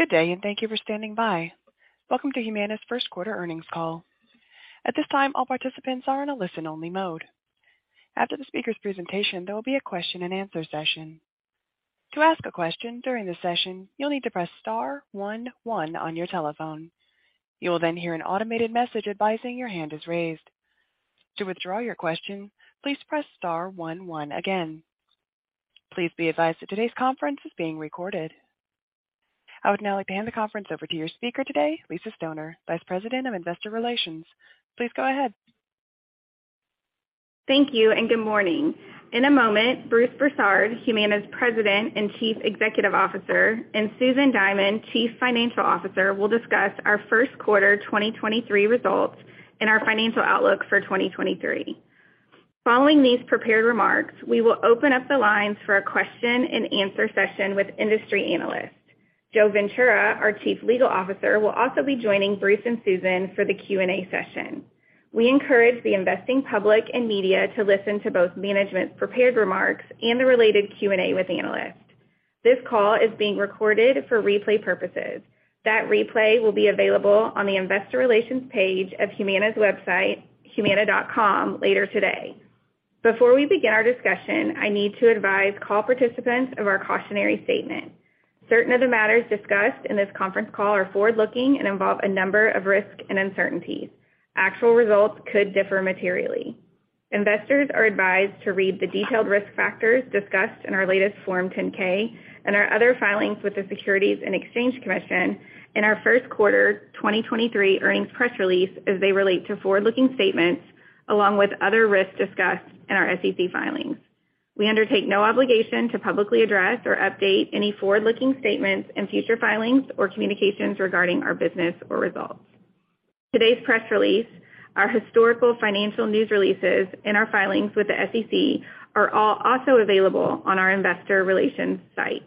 Good day, and thank you for standing by. Welcome to Humana's first quarter earnings call. At this time, all participants are in a listen-only mode. After the speaker's presentation, there will be a question-and-answer session. To ask a question during the session, you'll need to press star one one on your telephone. You will then hear an automated message advising your hand is raised. To withdraw your question, please press star one one again. Please be advised that today's conference is being recorded. I would now like to hand the conference over to your speaker today, Lisa Stoner, Vice President of Investor Relations. Please go ahead. Thank you and good morning. In a moment, Bruce Broussard, Humana's President and Chief Executive Officer, and Susan Diamond, Chief Financial Officer, will discuss our first quarter 2023 results and our financial outlook for 2023. Following these prepared remarks, we will open up the lines for a question-and-answer session with industry analysts. Joe Ventura, our Chief Legal Officer, will also be joining Bruce and Susan for the Q&A session. We encourage the investing public and media to listen to both management's prepared remarks and the related Q&A with analysts. This call is being recorded for replay purposes. That replay will be available on the investor relations page of Humana's website, humana.com, later today. Before we begin our discussion, I need to advise call participants of our cautionary statement. Certain of the matters discussed in this conference call are forward-looking and involve a number of risks and uncertainties. Actual results could differ materially. Investors are advised to read the detailed risk factors discussed in our latest Form 10-K and our other filings with the Securities and Exchange Commission in our first quarter 2023 earnings press release as they relate to forward-looking statements, along with other risks discussed in our SEC filings. We undertake no obligation to publicly address or update any forward-looking statements in future filings or communications regarding our business or results. Today's press release, our historical financial news releases, and our filings with the SEC are all also available on our investor relations site.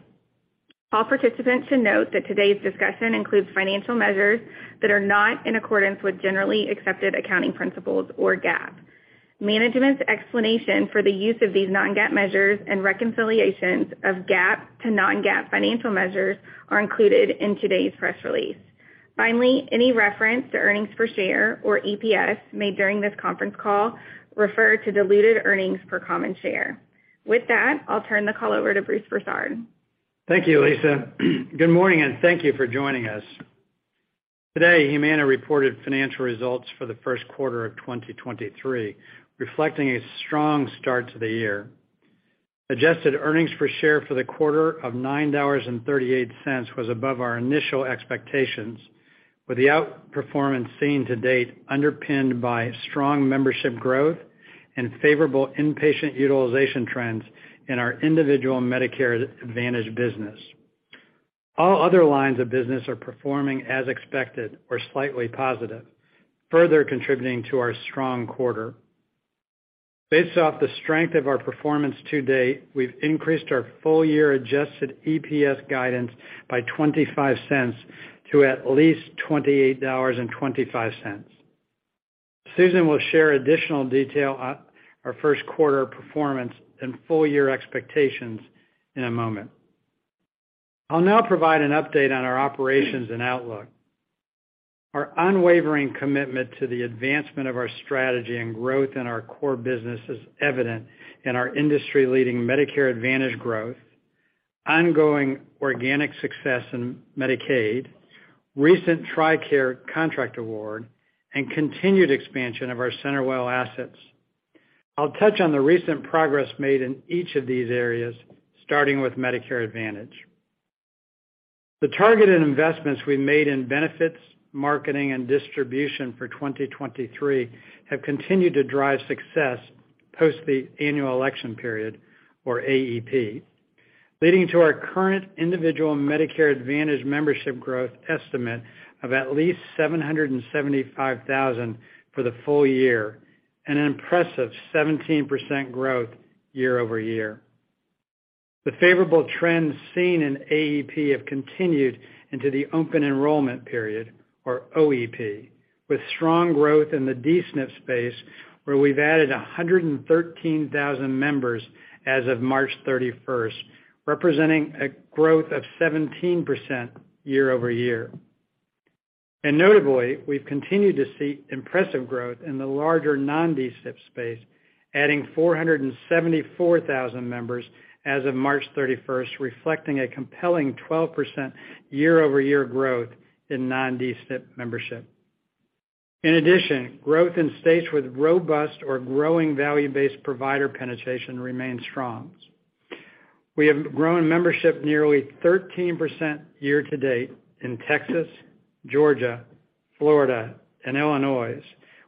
All participants should note that today's discussion includes financial measures that are not in accordance with generally accepted accounting principles or GAAP. Management's explanation for the use of these non-GAAP measures and reconciliations of GAAP to non-GAAP financial measures are included in today's press release. Finally, any reference to earnings per share or EPS made during this conference call refer to diluted earnings per common share. With that, I'll turn the call over to Bruce Broussard. Thank you, Lisa Stoner. Good morning, and thank you for joining us. Today, Humana reported financial results for the first quarter of 2023, reflecting a strong start to the year. Adjusted earnings per share for the quarter of $9.38 was above our initial expectations, with the outperformance seen to date underpinned by strong membership growth and favorable inpatient utilization trends in our individual Medicare Advantage business. All other lines of business are performing as expected or slightly positive, further contributing to our strong quarter. Based off the strength of our performance to date, we've increased our full-year adjusted EPS guidance by $0.25 to at least $28.25. Susan Diamond will share additional detail on our first quarter performance and full-year expectations in a moment. I'll now provide an update on our operations and outlook. Our unwavering commitment to the advancement of our strategy and growth in our core business is evident in our industry-leading Medicare Advantage growth, ongoing organic success in Medicaid, recent TRICARE contract award, and continued expansion of our CenterWell assets. I'll touch on the recent progress made in each of these areas, starting with Medicare Advantage. The targeted investments we made in benefits, marketing, and distribution for 2023 have continued to drive success post the annual election period or AEP, leading to our current individual Medicare Advantage membership growth estimate of at least 775,000 for the full year and an impressive 17% growth year-over-year. The favorable trends seen in AEP have continued into the open enrollment period or OEP, with strong growth in the D-SNP space, where we've added 113,000 members as of March 31, representing a growth of 17% year-over-year. Notably, we've continued to see impressive growth in the larger non-D-SNP space, adding 474,000 members as of March 31, reflecting a compelling 12% year-over-year growth in non-D-SNP membership. Growth in states with robust or growing value-based provider penetration remains strong. We have grown membership nearly 13% year-to-date in Texas, Georgia, Florida, and Illinois,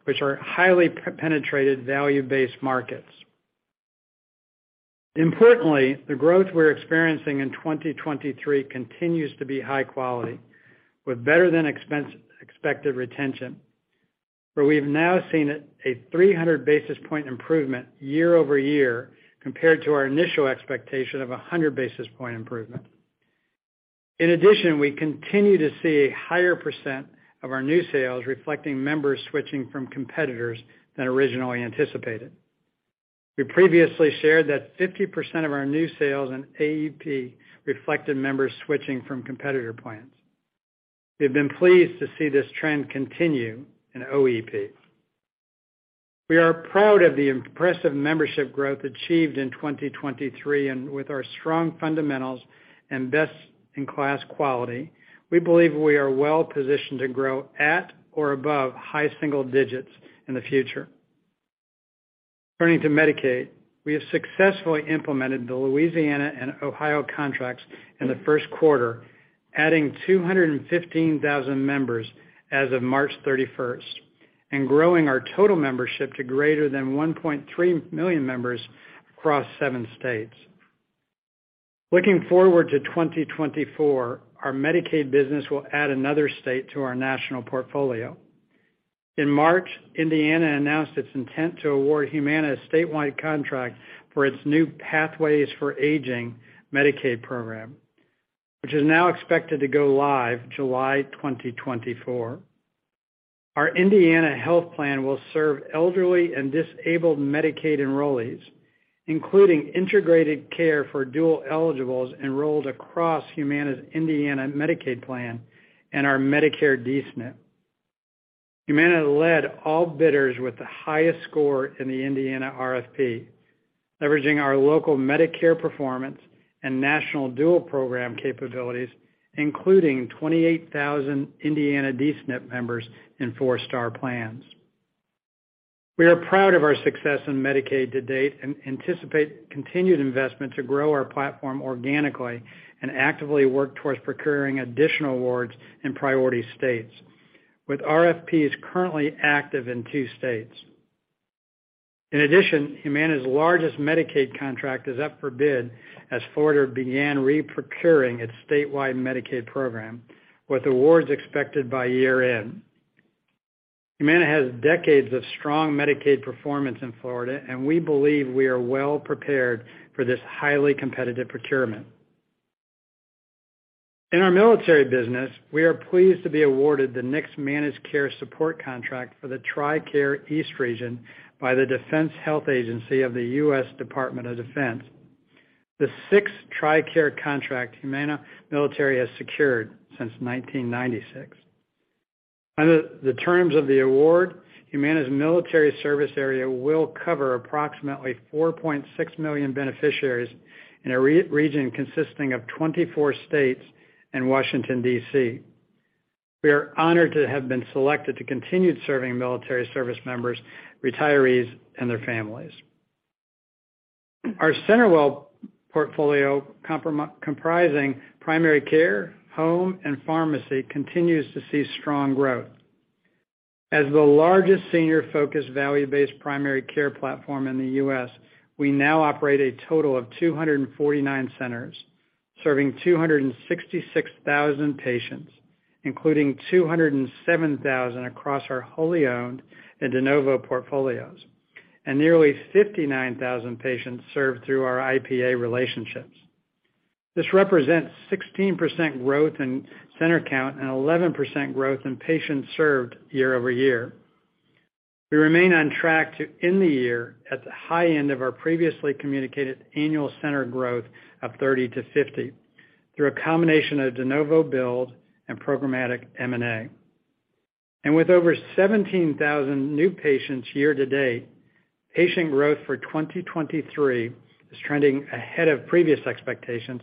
which are highly penetrated value-based markets. Importantly, the growth we're experiencing in 2023 continues to be high quality with better than expected retention, where we've now seen a 300 basis point improvement year-over-year compared to our initial expectation of a 100 basis point improvement. In addition, we continue to see a higher percent of our new sales reflecting members switching from competitors than originally anticipated. We previously shared that 50% of our new sales in AEP reflected members switching from competitor plans. We've been pleased to see this trend continue in OEP. We are proud of the impressive membership growth achieved in 2023, and with our strong fundamentals and best-in-class quality, we believe we are well positioned to grow at or above high single digits in the future. Turning to Medicaid, we have successfully implemented the Louisiana and Ohio contracts in the first quarter, adding 215,000 members as of March 31st, and growing our total membership to greater than 1.3 million members across seven states. Looking forward to 2024, our Medicaid business will add another state to our national portfolio. In March, Indiana announced its intent to award Humana a statewide contract for its new Pathways for Aging Medicaid program, which is now expected to go live July 2024. Our Indiana Health Plan will serve elderly and disabled Medicaid enrollees, including integrated care for dual eligibles enrolled across Humana's Indiana Medicaid plan and our Medicare D-SNP. Humana led all bidders with the highest score in the Indiana RFP, leveraging our local Medicare performance and national dual program capabilities, including 28,000 Indiana D-SNP members in 4-star plans. We are proud of our success in Medicaid to date and anticipate continued investment to grow our platform organically and actively work towards procuring additional awards in priority states. With RFPs currently active in two states. In addition, Humana's largest Medicaid contract is up for bid as Florida began reprocuring its statewide Medicaid program, with awards expected by year-end. Humana has decades of strong Medicaid performance in Florida, and we believe we are well prepared for this highly competitive procurement. In our military business, we are pleased to be awarded the next managed care support contract for the TRICARE East region by the Defense Health Agency of the U.S. Department of Defense, the sixth TRICARE contract Humana Military has secured since 1996. Under the terms of the award, Humana's military service area will cover approximately 4.6 million beneficiaries in a region consisting of 24 states and Washington, D.C. We are honored to have been selected to continued serving military service members, retirees, and their families. Our CenterWell portfolio comprising primary care, home, and pharmacy continues to see strong growth. As the largest senior-focused value-based primary care platform in the U.S., we now operate a total of 249 centers serving 266,000 patients, including 207,000 across our wholly owned and de novo portfolios, and nearly 59,000 patients served through our IPA relationships. This represents 16% growth in center count and 11% growth in patients served year-over-year. We remain on track to end the year at the high end of our previously communicated annual center growth of 30-50 through a combination of de novo build and programmatic M&A. With over 17,000 new patients year to date, patient growth for 2023 is trending ahead of previous expectations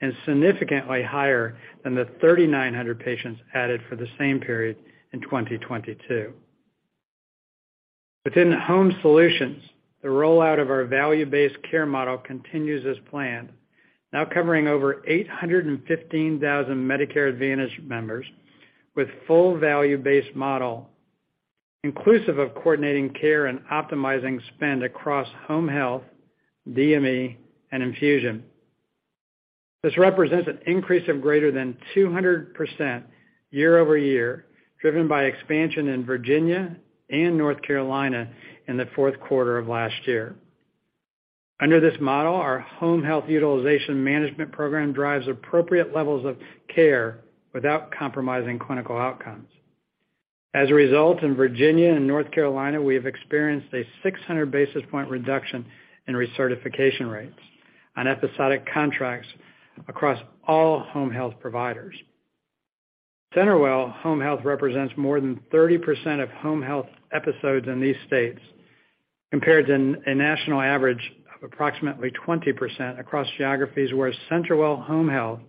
and significantly higher than the 3,900 patients added for the same period in 2022. Within Home Solutions, the rollout of our value-based care model continues as planned, now covering over 815,000 Medicare Advantage members with full value-based model, inclusive of coordinating care and optimizing spend across home health, DME, and infusion. This represents an increase of greater than 200% year-over-year, driven by expansion in Virginia and North Carolina in the fourth quarter of last year. Under this model, our Home Health Utilization Management program drives appropriate levels of care without compromising clinical outcomes. As a result, in Virginia and North Carolina, we have experienced a 600 basis point reduction in recertification rates on episodic contracts across all home health providers. CenterWell Home Health represents more than 30% of home health episodes in these states, compared to a national average of approximately 20% across geographies where CenterWell Home Health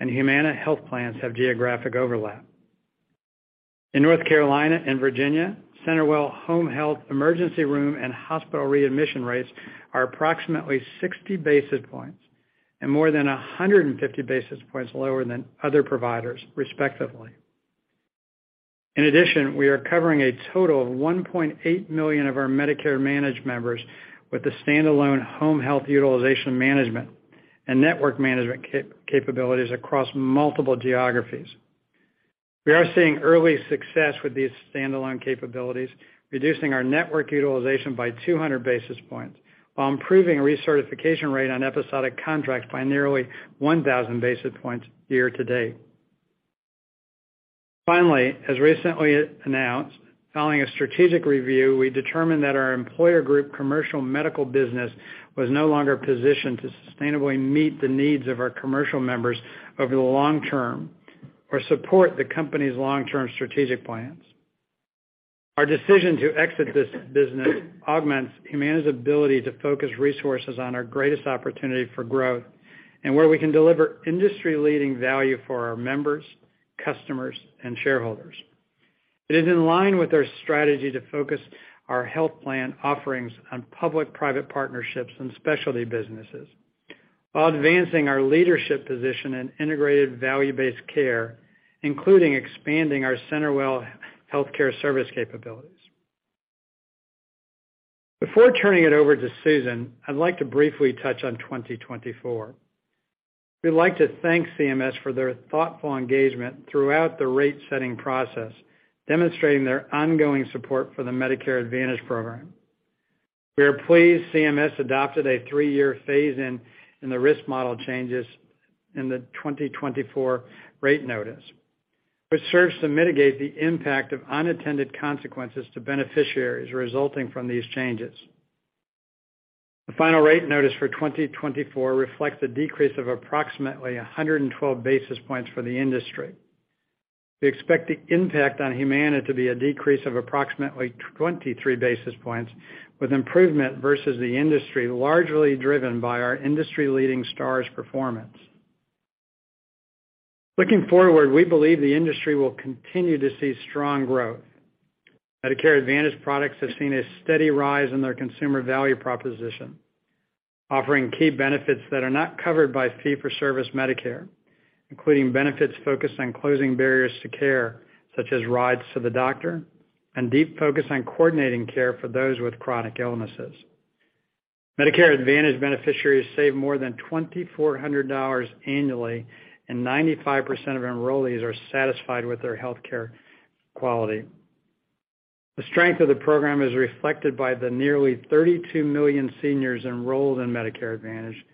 and Humana Health Plans have geographic overlap. In North Carolina and Virginia, CenterWell Home Health emergency room and hospital readmission rates are approximately 60 basis points and more than 150 basis points lower than other providers, respectively. We are covering a total of 1.8 million of our Medicare managed members with the standalone Home Health Utilization Management and Network Management capabilities across multiple geographies. We are seeing early success with these standalone capabilities, reducing our network utilization by 200 basis points while improving recertification rate on episodic contracts by nearly 1,000 basis points year to date. As recently announced, following a strategic review, we determined that our employer group commercial medical business was no longer positioned to sustainably meet the needs of our commercial members over the long term or support the company's long-term strategic plans. Our decision to exit this business augments Humana's ability to focus resources on our greatest opportunity for growth and where we can deliver industry-leading value for our members, customers, and shareholders. It is in line with our strategy to focus our health plan offerings on public-private partnerships and specialty businesses while advancing our leadership position in integrated value-based care, including expanding our CenterWell healthcare service capabilities. Before turning it over to Susan, I'd like to briefly touch on 2024. We'd like to thank CMS for their thoughtful engagement throughout the rate-setting process, demonstrating their ongoing support for the Medicare Advantage program. We are pleased CMS adopted a 3-year phase-in in the risk model changes in the 2024 rate notice, which serves to mitigate the impact of unintended consequences to beneficiaries resulting from these changes. The final rate notice for 2024 reflects a decrease of approximately 112 basis points for the industry. We expect the impact on Humana to be a decrease of approximately 23 basis points, with improvement versus the industry largely driven by our industry-leading stars performance. Looking forward, we believe the industry will continue to see strong growth. Medicare Advantage products have seen a steady rise in their consumer value proposition, offering key benefits that are not covered by fee-for-service Medicare, including benefits focused on closing barriers to care, such as rides to the doctor and deep focus on coordinating care for those with chronic illnesses. Medicare Advantage beneficiaries save more than $2,400 annually, and 95% of enrollees are satisfied with their healthcare quality. The strength of the program is reflected by the nearly 32 million seniors enrolled in Medicare Advantage,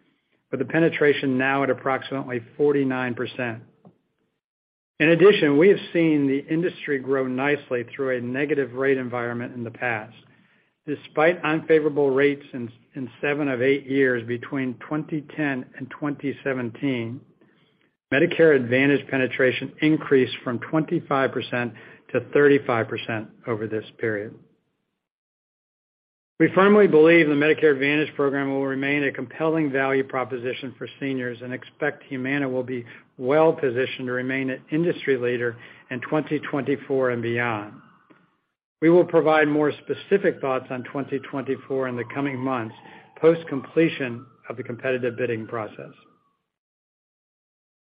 with the penetration now at approximately 49%. In addition, we have seen the industry grow nicely through a negative rate environment in the past. Despite unfavorable rates in seven of eight years between 2010 and 2017, Medicare Advantage penetration increased from 25% to 35% over this period. We firmly believe the Medicare Advantage program will remain a compelling value proposition for seniors and expect Humana will be well-positioned to remain an industry leader in 2024 and beyond. We will provide more specific thoughts on 2024 in the coming months, post-completion of the competitive bidding process.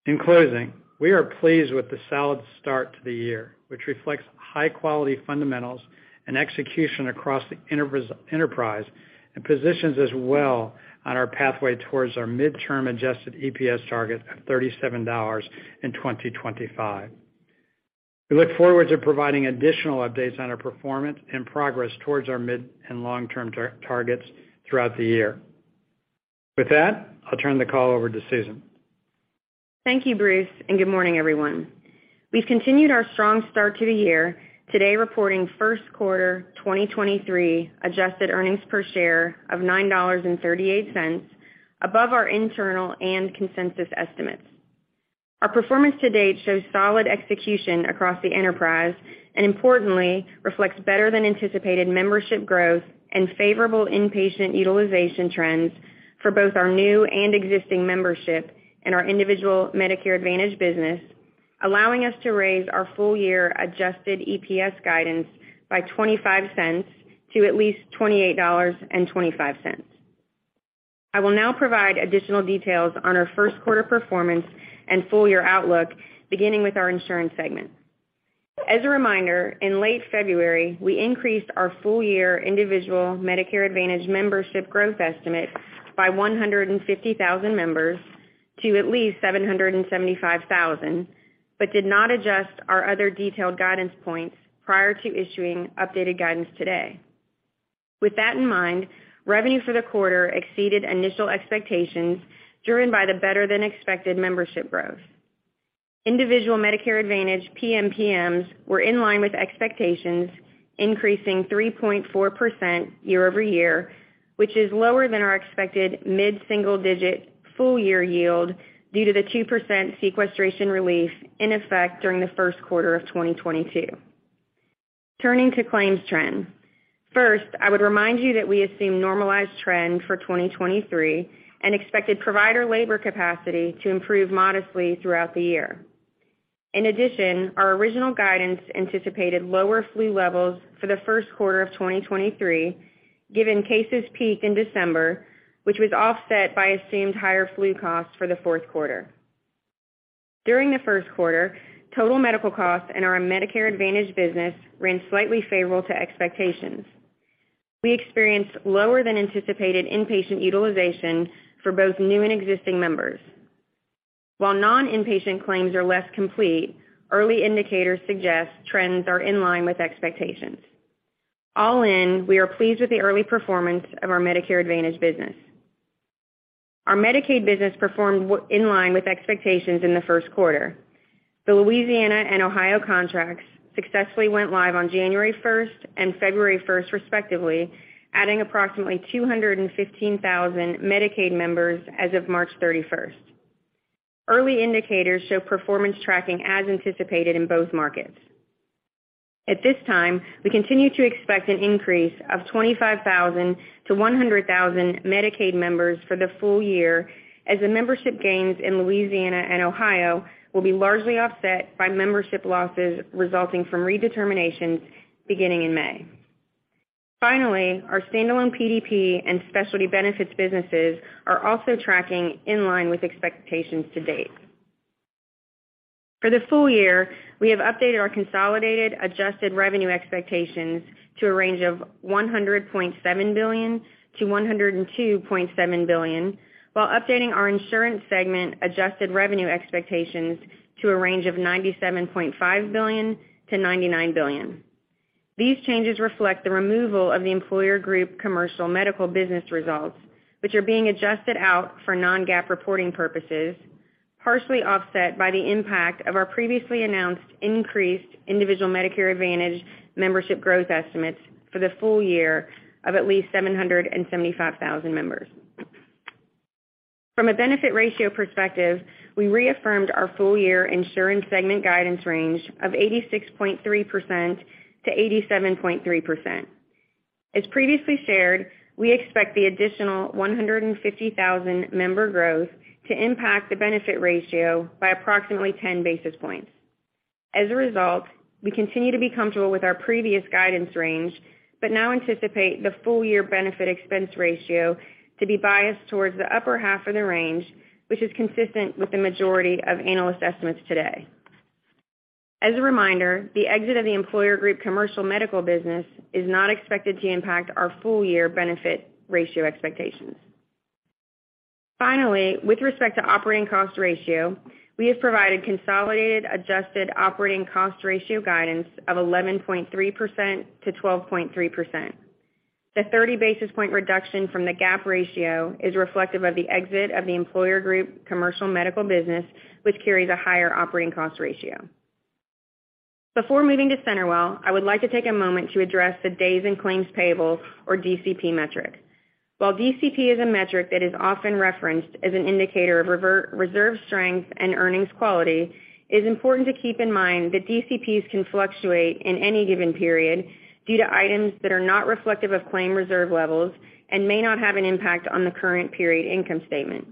In closing, we are pleased with the solid start to the year, which reflects high-quality fundamentals and execution across the enterprise and positions us well on our pathway towards our midterm adjusted EPS target of $37 in 2025. We look forward to providing additional updates on our performance and progress towards our mid and long-term targets throughout the year. With that, I'll turn the call over to Susan. Thank you, Bruce. Good morning, everyone. We've continued our strong start to the year, today reporting first quarter 2023 adjusted earnings per share of $9.38 above our internal and consensus estimates. Our performance to date shows solid execution across the enterprise, and importantly reflects better than anticipated membership growth and favorable inpatient utilization trends for both our new and existing membership and our individual Medicare Advantage business, allowing us to raise our full year adjusted EPS guidance by $0.25 to at least $28.25. I will now provide additional details on our first quarter performance and full year outlook, beginning with our insurance segment. As a reminder, in late February, we increased our full year individual Medicare Advantage membership growth estimate by 150,000 members to at least 775,000, Did not adjust our other detailed guidance points prior to issuing updated guidance today. With that in mind, revenue for the quarter exceeded initial expectations, driven by the better than expected membership growth. Individual Medicare Advantage PMPMs were in line with expectations, increasing 3.4% year-over-year, which is lower than our expected mid-single digit full year yield due to the 2% sequestration relief in effect during the first quarter of 2022. Turning to claims trend. First, I would remind you that we assume normalized trend for 2023 and expected provider labor capacity to improve modestly throughout the year. Our original guidance anticipated lower flu levels for the first quarter of 2023, given cases peaked in December, which was offset by assumed higher flu costs for the fourth quarter. During the first quarter, total medical costs in our Medicare Advantage business ran slightly favorable to expectations. We experienced lower than anticipated inpatient utilization for both new and existing members. While non-inpatient claims are less complete, early indicators suggest trends are in line with expectations. All in, we are pleased with the early performance of our Medicare Advantage business. Our Medicaid business performed in line with expectations in the first quarter. The Louisiana and Ohio contracts successfully went live on January first and February first respectively, adding approximately 215,000 Medicaid members as of March thirty-first. Early indicators show performance tracking as anticipated in both markets. At this time, we continue to expect an increase of 25,000-100,000 Medicaid members for the full year, as the membership gains in Louisiana and Ohio will be largely offset by membership losses resulting from redeterminations beginning in May. Our standalone PDP and specialty benefits businesses are also tracking in line with expectations to date. For the full year, we have updated our consolidated adjusted revenue expectations to a range of $100.7 billion-$102.7 billion, while updating our insurance segment adjusted revenue expectations to a range of $97.5 billion-$99 billion. These changes reflect the removal of the employer group commercial medical business results, which are being adjusted out for non-GAAP reporting purposes, partially offset by the impact of our previously announced increased individual Medicare Advantage membership growth estimates for the full year of at least 775,000 members. From a benefit ratio perspective, we reaffirmed our full year insurance segment guidance range of 86.3%-87.3%. As previously shared, we expect the additional 150,000 member growth to impact the benefit ratio by approximately 10 basis points. As a result, we continue to be comfortable with our previous guidance range, but now anticipate the full year benefit expense ratio to be biased towards the upper half of the range, which is consistent with the majority of analyst estimates today. As a reminder, the exit of the employer group commercial medical business is not expected to impact our full year benefit ratio expectations. Finally, with respect to operating cost ratio, we have provided consolidated adjusted operating cost ratio guidance of 11.3%-12.3%. The 30 basis point reduction from the GAAP ratio is reflective of the exit of the employer group commercial medical business, which carries a higher operating cost ratio. Before moving to CenterWell, I would like to take a moment to address the days in claims payable or DCP metric. While DCP is a metric that is often referenced as an indicator of reserve strength and earnings quality, it is important to keep in mind that DCPs can fluctuate in any given period due to items that are not reflective of claim reserve levels and may not have an impact on the current period income statement.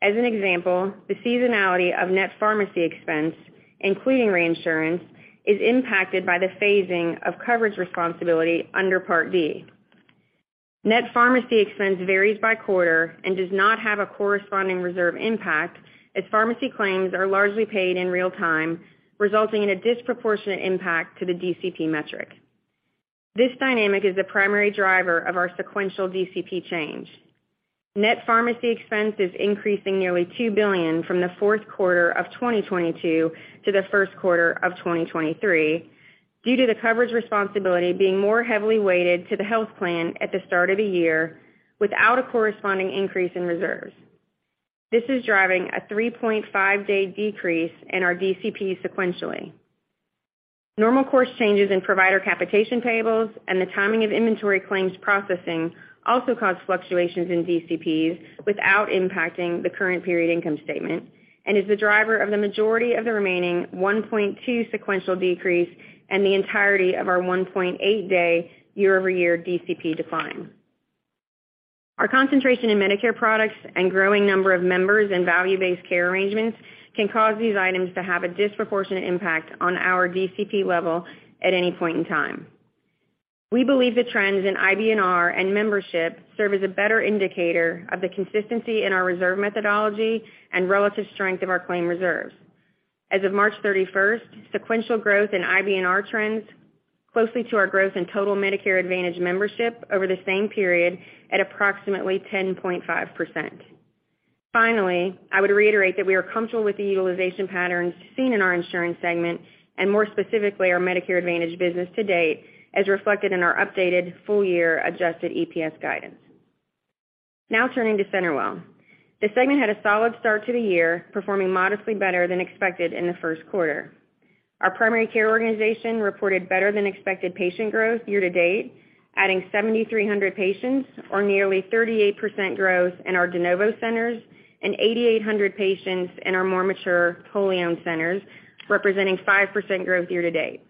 As an example, the seasonality of net pharmacy expense, including reinsurance, is impacted by the phasing of coverage responsibility under Part D. Net pharmacy expense varies by quarter and does not have a corresponding reserve impact, as pharmacy claims are largely paid in real time, resulting in a disproportionate impact to the DCP metric. This dynamic is the primary driver of our sequential DCP change. Net pharmacy expense is increasing nearly $2 billion from the fourth quarter of 2022 to the first quarter of 2023 due to the coverage responsibility being more heavily weighted to the health plan at the start of the year without a corresponding increase in reserves. This is driving a 3.5-day decrease in our DCP sequentially. Normal course changes in provider capitation payables and the timing of inventory claims processing also cause fluctuations in DCPs without impacting the current period income statement, and is the driver of the majority of the remaining 1.2 sequential decrease and the entirety of our 1.8-day year-over-year DCP decline. Our concentration in Medicare products and growing number of members in value-based care arrangements can cause these items to have a disproportionate impact on our DCP level at any point in time. We believe the trends in IBNR and membership serve as a better indicator of the consistency in our reserve methodology and relative strength of our claim reserves. As of March 31st, sequential growth in IBNR trends closely to our growth in total Medicare Advantage membership over the same period at approximately 10.5%. Finally, I would reiterate that we are comfortable with the utilization patterns seen in our insurance segment, and more specifically, our Medicare Advantage business to date, as reflected in our updated full year adjusted EPS guidance. Now turning to CenterWell. The segment had a solid start to the year, performing modestly better than expected in the first quarter. Our primary care organization reported better than expected patient growth year to date, adding 7,300 patients or nearly 38% growth in our de novo centers and 8,800 patients in our more mature wholly owned centers, representing 5% growth year to date.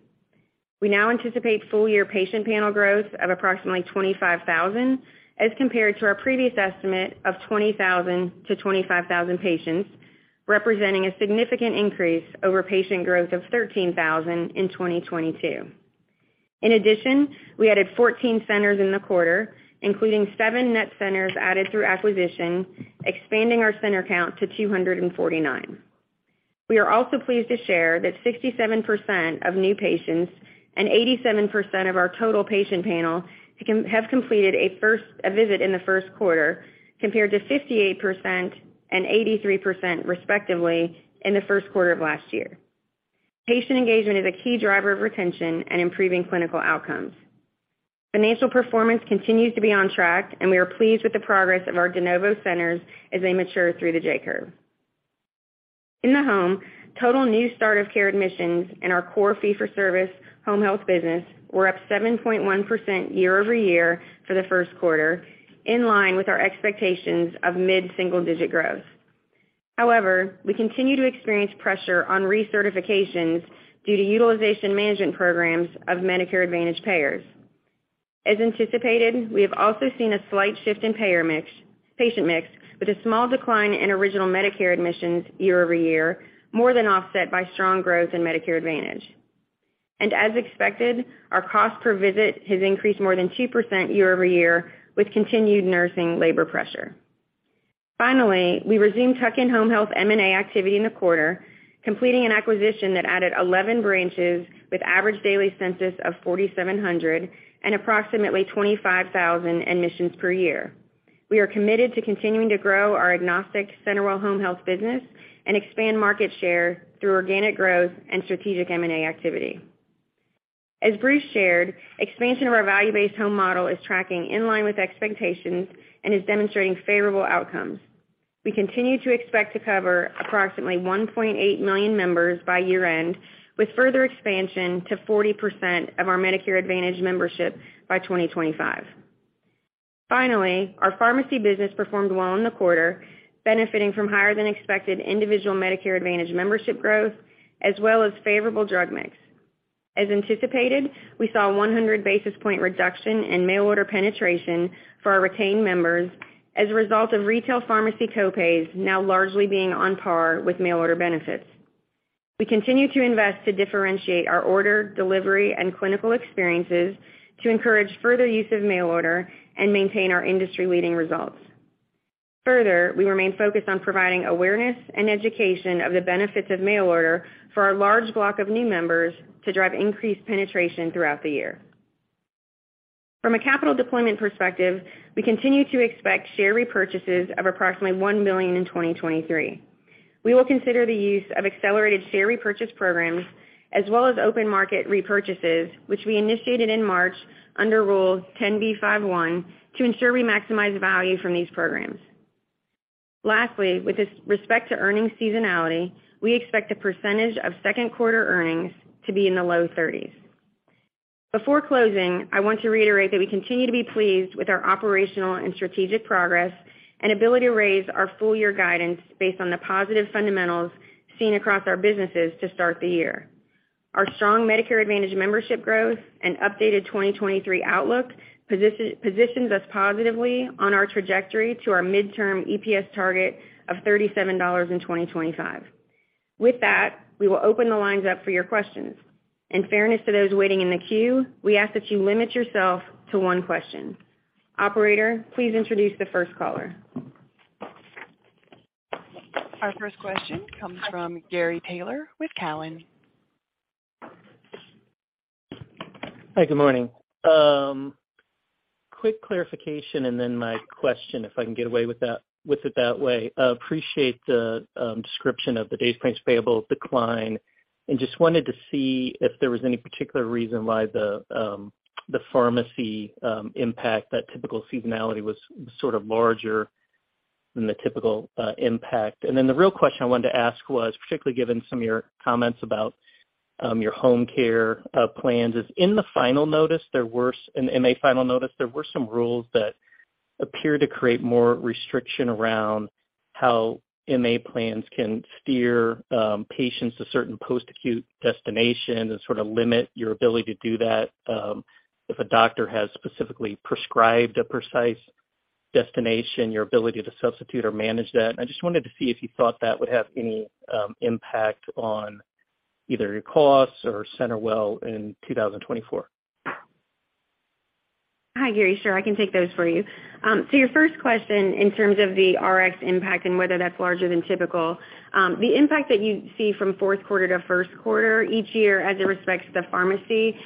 We now anticipate full year patient panel growth of approximately 25,000, as compared to our previous estimate of 20,000-25,000 patients, representing a significant increase over patient growth of 13,000 in 2022. In addition, we added 14 centers in the quarter, including seven net centers added through acquisition, expanding our center count to 249. We are also pleased to share that 67% of new patients and 87% of our total patient panel have completed a visit in the first quarter, compared to 58% and 83% respectively in the first quarter of last year. Patient engagement is a key driver of retention and improving clinical outcomes. Financial performance continues to be on track. We are pleased with the progress of our de novo centers as they mature through the J-curve. In the home, total new start of care admissions in our core fee for service home health business were up 7.1% year-over-year for the first quarter, in line with our expectations of mid-single digit growth. We continue to experience pressure on recertifications due to utilization management programs of Medicare Advantage payers. As anticipated, we have also seen a slight shift in patient mix, with a small decline in original Medicare admissions year-over-year, more than offset by strong growth in Medicare Advantage. As expected, our cost per visit has increased more than 2% year-over-year, with continued nursing labor pressure. Finally, we resumed tuck-in home health M&A activity in the quarter, completing an acquisition that added 11 branches with average daily census of 4,700 and approximately 25,000 admissions per year. We are committed to continuing to grow our agnostic CenterWell Home Health business and expand market share through organic growth and strategic M&A activity. As Bruce shared, expansion of our value-based home model is tracking in line with expectations and is demonstrating favorable outcomes. We continue to expect to cover approximately 1.8 million members by year-end, with further expansion to 40% of our Medicare Advantage membership by 2025. Our pharmacy business performed well in the quarter, benefiting from higher than expected individual Medicare Advantage membership growth as well as favorable drug mix. As anticipated, we saw 100 basis point reduction in mail order penetration for our retained members as a result of retail pharmacy co-pays now largely being on par with mail order benefits. We continue to invest to differentiate our order, delivery, and clinical experiences to encourage further use of mail order and maintain our industry-leading results. We remain focused on providing awareness and education of the benefits of mail order for our large block of new members to drive increased penetration throughout the year. From a capital deployment perspective, we continue to expect share repurchases of approximately $1 million in 2023. We will consider the use of accelerated share repurchase programs as well as open market repurchases, which we initiated in March under Rule 10b5-1, to ensure we maximize value from these programs. Lastly, with respect to earnings seasonality, we expect a percentage of second quarter earnings to be in the low 30s. Before closing, I want to reiterate that we continue to be pleased with our operational and strategic progress and ability to raise our full year guidance based on the positive fundamentals seen across our businesses to start the year. Our strong Medicare Advantage membership growth and updated 2023 outlook positions us positively on our trajectory to our midterm EPS target of $37 in 2025. With that, we will open the lines up for your questions. In fairness to those waiting in the queue, we ask that you limit yourself to one question. Operator, please introduce the first caller. Our first question comes from Gary Taylor with Cowen. Hi, good morning. Quick clarification and then my question, if I can get away with that, with it that way. Appreciate the description of the days' payables decline. Just wanted to see if there was any particular reason why the pharmacy impact, that typical seasonality was sort of larger than the typical impact. The real question I wanted to ask was, particularly given some of your comments about your home care plans, is in the final notice there were in MA final notice, there were some rules that appear to create more restriction around how MA plans can steer patients to certain post-acute destinations and sort of limit your ability to do that, if a doctor has specifically prescribed a precise destination, your ability to substitute or manage that? I just wanted to see if you thought that would have any impact on either your costs or CenterWell in 2024. Hi, Gary. Sure, I can take those for you. To your first question, in terms of the RX impact and whether that's larger than typical, the impact that you see from fourth quarter to first quarter each year as it respects to the pharmacy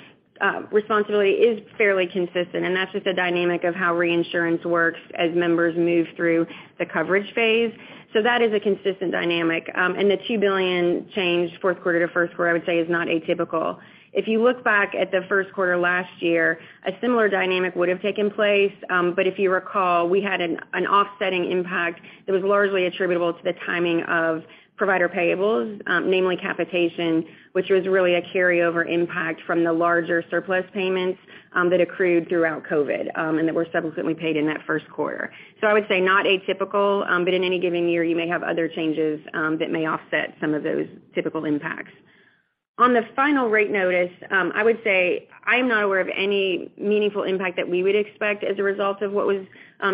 responsibility is fairly consistent. That's just the dynamic of how reinsurance works as members move through the coverage phase. That is a consistent dynamic. The $2 billion change fourth quarter to first quarter, I would say, is not atypical. If you look back at the first quarter last year, a similar dynamic would have taken place. If you recall, we had an offsetting impact that was largely attributable to the timing of provider payables, namely capitation, which was really a carryover impact from the larger surplus payments that accrued throughout COVID and that were subsequently paid in that first quarter. I would say not atypical, but in any given year, you may have other changes that may offset some of those typical impacts. On the final rate notice, I would say I am not aware of any meaningful impact that we would expect as a result of what was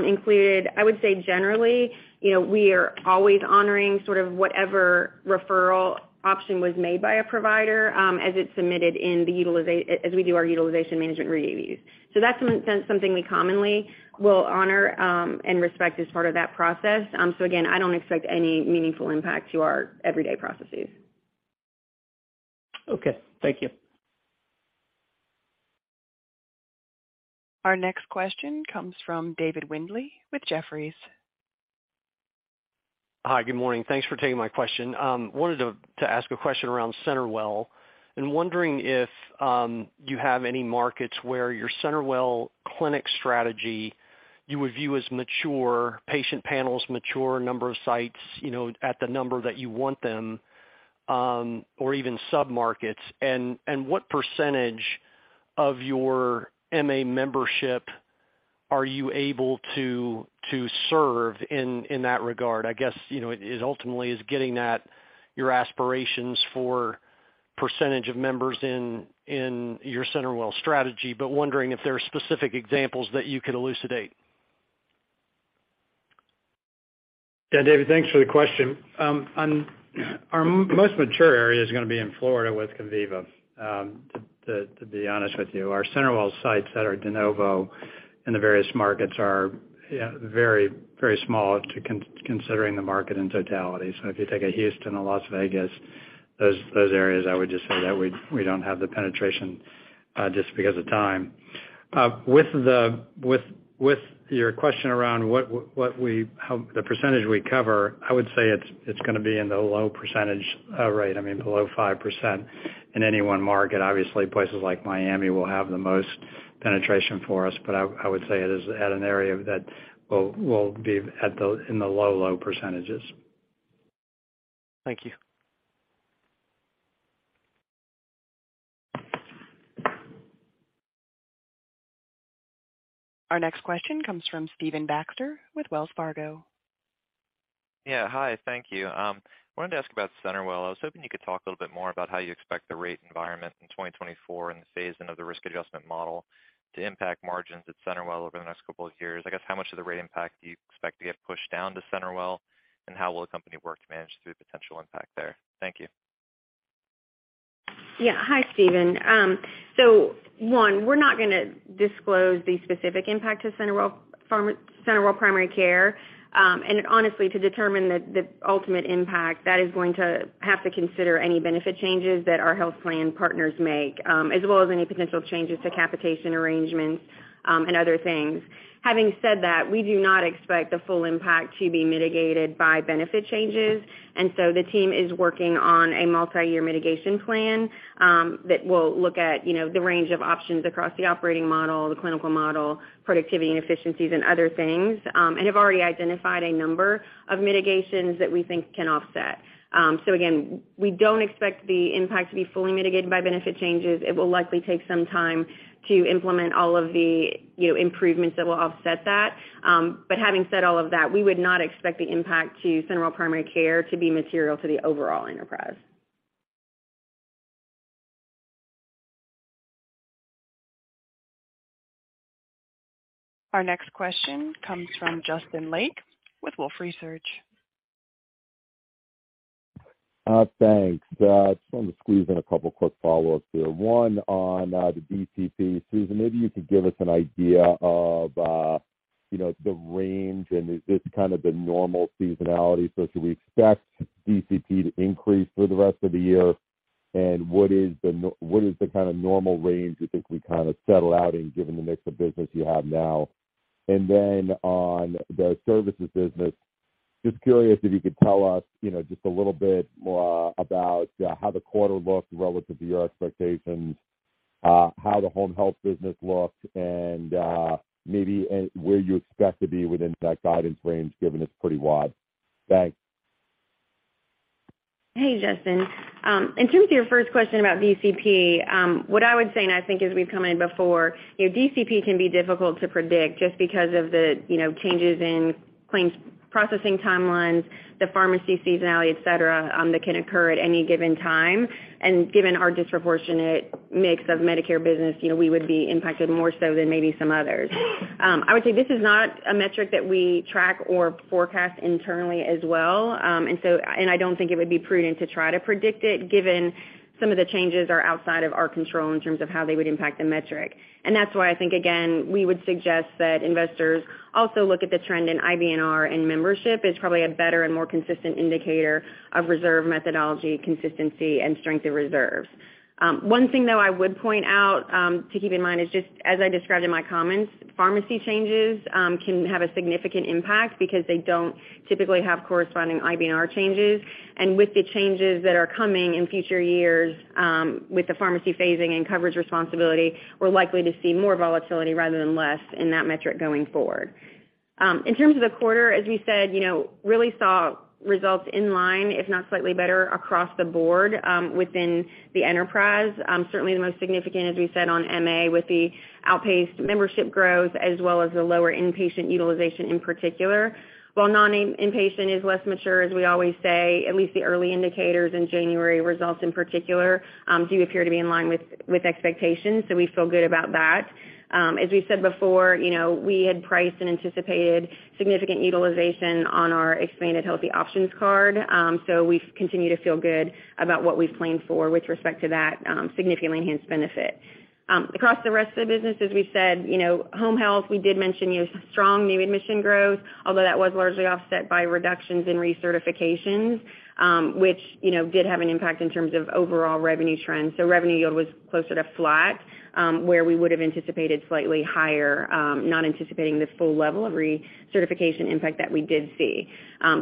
included. I would say generally, you know, we are always honoring sort of whatever referral option was made by a provider, as it's submitted as we do our utilization management reviews. That's something we commonly will honor, and respect as part of that process. Again, I don't expect any meaningful impact to our everyday processes. Okay. Thank you. Our next question comes from David Windley with Jefferies. Hi, good morning. Thanks for taking my question. Wanted to ask a question around CenterWell. I'm wondering if you have any markets where your CenterWell clinic strategy you would view as mature, patient panels mature, number of sites, you know, at the number that you want them, or even submarkets. What percentage of your MA membership are you able to serve in that regard? I guess, you know, it is ultimately is getting at your aspirations for percentage of members in your CenterWell strategy, wondering if there are specific examples that you could elucidate. Yeah, David, thanks for the question. Our most mature area is gonna be in Florida with Conviva, to be honest with you. Our CenterWell sites that are de novo in the various markets are very, very small to considering the market in totality. If you take a Houston, a Las Vegas, those areas, I would just say that we don't have the penetration, just because of time. With your question around how the percentage we cover, I would say it's gonna be in the low percentage rate, I mean, below 5% in any one market. Obviously, places like Miami will have the most penetration for us, but I would say it is at an area that will be in the low, low percentages. Thank you. Our next question comes from Stephen Baxter with Wells Fargo. Yeah. Hi. Thank you. wanted to ask about CenterWell. I was hoping you could talk a little bit more about how you expect the rate environment in 2024 and the phase-in of the risk adjustment model to impact margins at CenterWell over the next couple of years. I guess, how much of the rate impact do you expect to get pushed down to CenterWell, and how will the company work to manage through the potential impact there? Thank you. Yeah. Hi, Steven. One, we're not gonna disclose the specific impact to CenterWell Primary Care. Honestly, to determine the ultimate impact, that is going to have to consider any benefit changes that our health plan partners make, as well as any potential changes to capitation arrangements, and other things. Having said that, we do not expect the full impact to be mitigated by benefit changes. The team is working on a multiyear mitigation plan, that will look at, you know, the range of options across the operating model, the clinical model, productivity and efficiencies and other things, and have already identified a number of mitigations that we think can offset. Again, we don't expect the impact to be fully mitigated by benefit changes. It will likely take some time to implement all of the, you know, improvements that will offset that. Having said all of that, we would not expect the impact to CenterWell Primary Care to be material to the overall enterprise. Our next question comes from Justin Lake with Wolfe Research. Thanks. Just want to squeeze in a couple quick follow-ups here. One on the DCP. Susan, maybe you could give us an idea of, you know, the range, and is this kind of the normal seasonality? Should we expect DCP to increase through the rest of the year? What is the kind of normal range you think we kind of settle out in given the mix of business you have now? On the services business, just curious if you could tell us, you know, just a little bit more about how the quarter looked relative to your expectations, how the home health business looked, and maybe where you expect to be within that guidance range given it's pretty wide. Thanks. Hey, Justin. In terms of your first question about DCP, what I would say, and I think as we've commented before, you know, DCP can be difficult to predict just because of the, you know, changes in claims processing timelines, the pharmacy seasonality, et cetera, that can occur at any given time. Given our disproportionate mix of Medicare business, you know, we would be impacted more so than maybe some others. I would say this is not a metric that we track or forecast internally as well. I don't think it would be prudent to try to predict it given some of the changes are outside of our control in terms of how they would impact the metric. That's why I think, again, we would suggest that investors also look at the trend in IBNR and membership. It's probably a better and more consistent indicator of reserve methodology, consistency, and strength of reserves. One thing, though, I would point out, to keep in mind is just, as I described in my comments, pharmacy changes can have a significant impact because they don't typically have corresponding IBNR changes. With the changes that are coming in future years, with the pharmacy phasing and coverage responsibility, we're likely to see more volatility rather than less in that metric going forward. In terms of the quarter, as we said, you know, really saw results in line, if not slightly better, across the board, within the enterprise. Certainly the most significant, as we said, on MA with the outpaced membership growth as well as the lower inpatient utilization in particular. While non inpatient is less mature, as we always say, at least the early indicators in January results in particular, do appear to be in line with expectations, so we feel good about that. As we said before, you know, we had priced and anticipated significant utilization on our expanded Healthy Options card, so we continue to feel good about what we've planned for with respect to that, significantly enhanced benefit. Across the rest of the business, as we said, you know, home health, we did mention, you know, strong new admission growth, although that was largely offset by reductions in recertifications, which, you know, did have an impact in terms of overall revenue trends. Revenue yield was closer to flat, where we would have anticipated slightly higher, not anticipating the full level of recertification impact that we did see.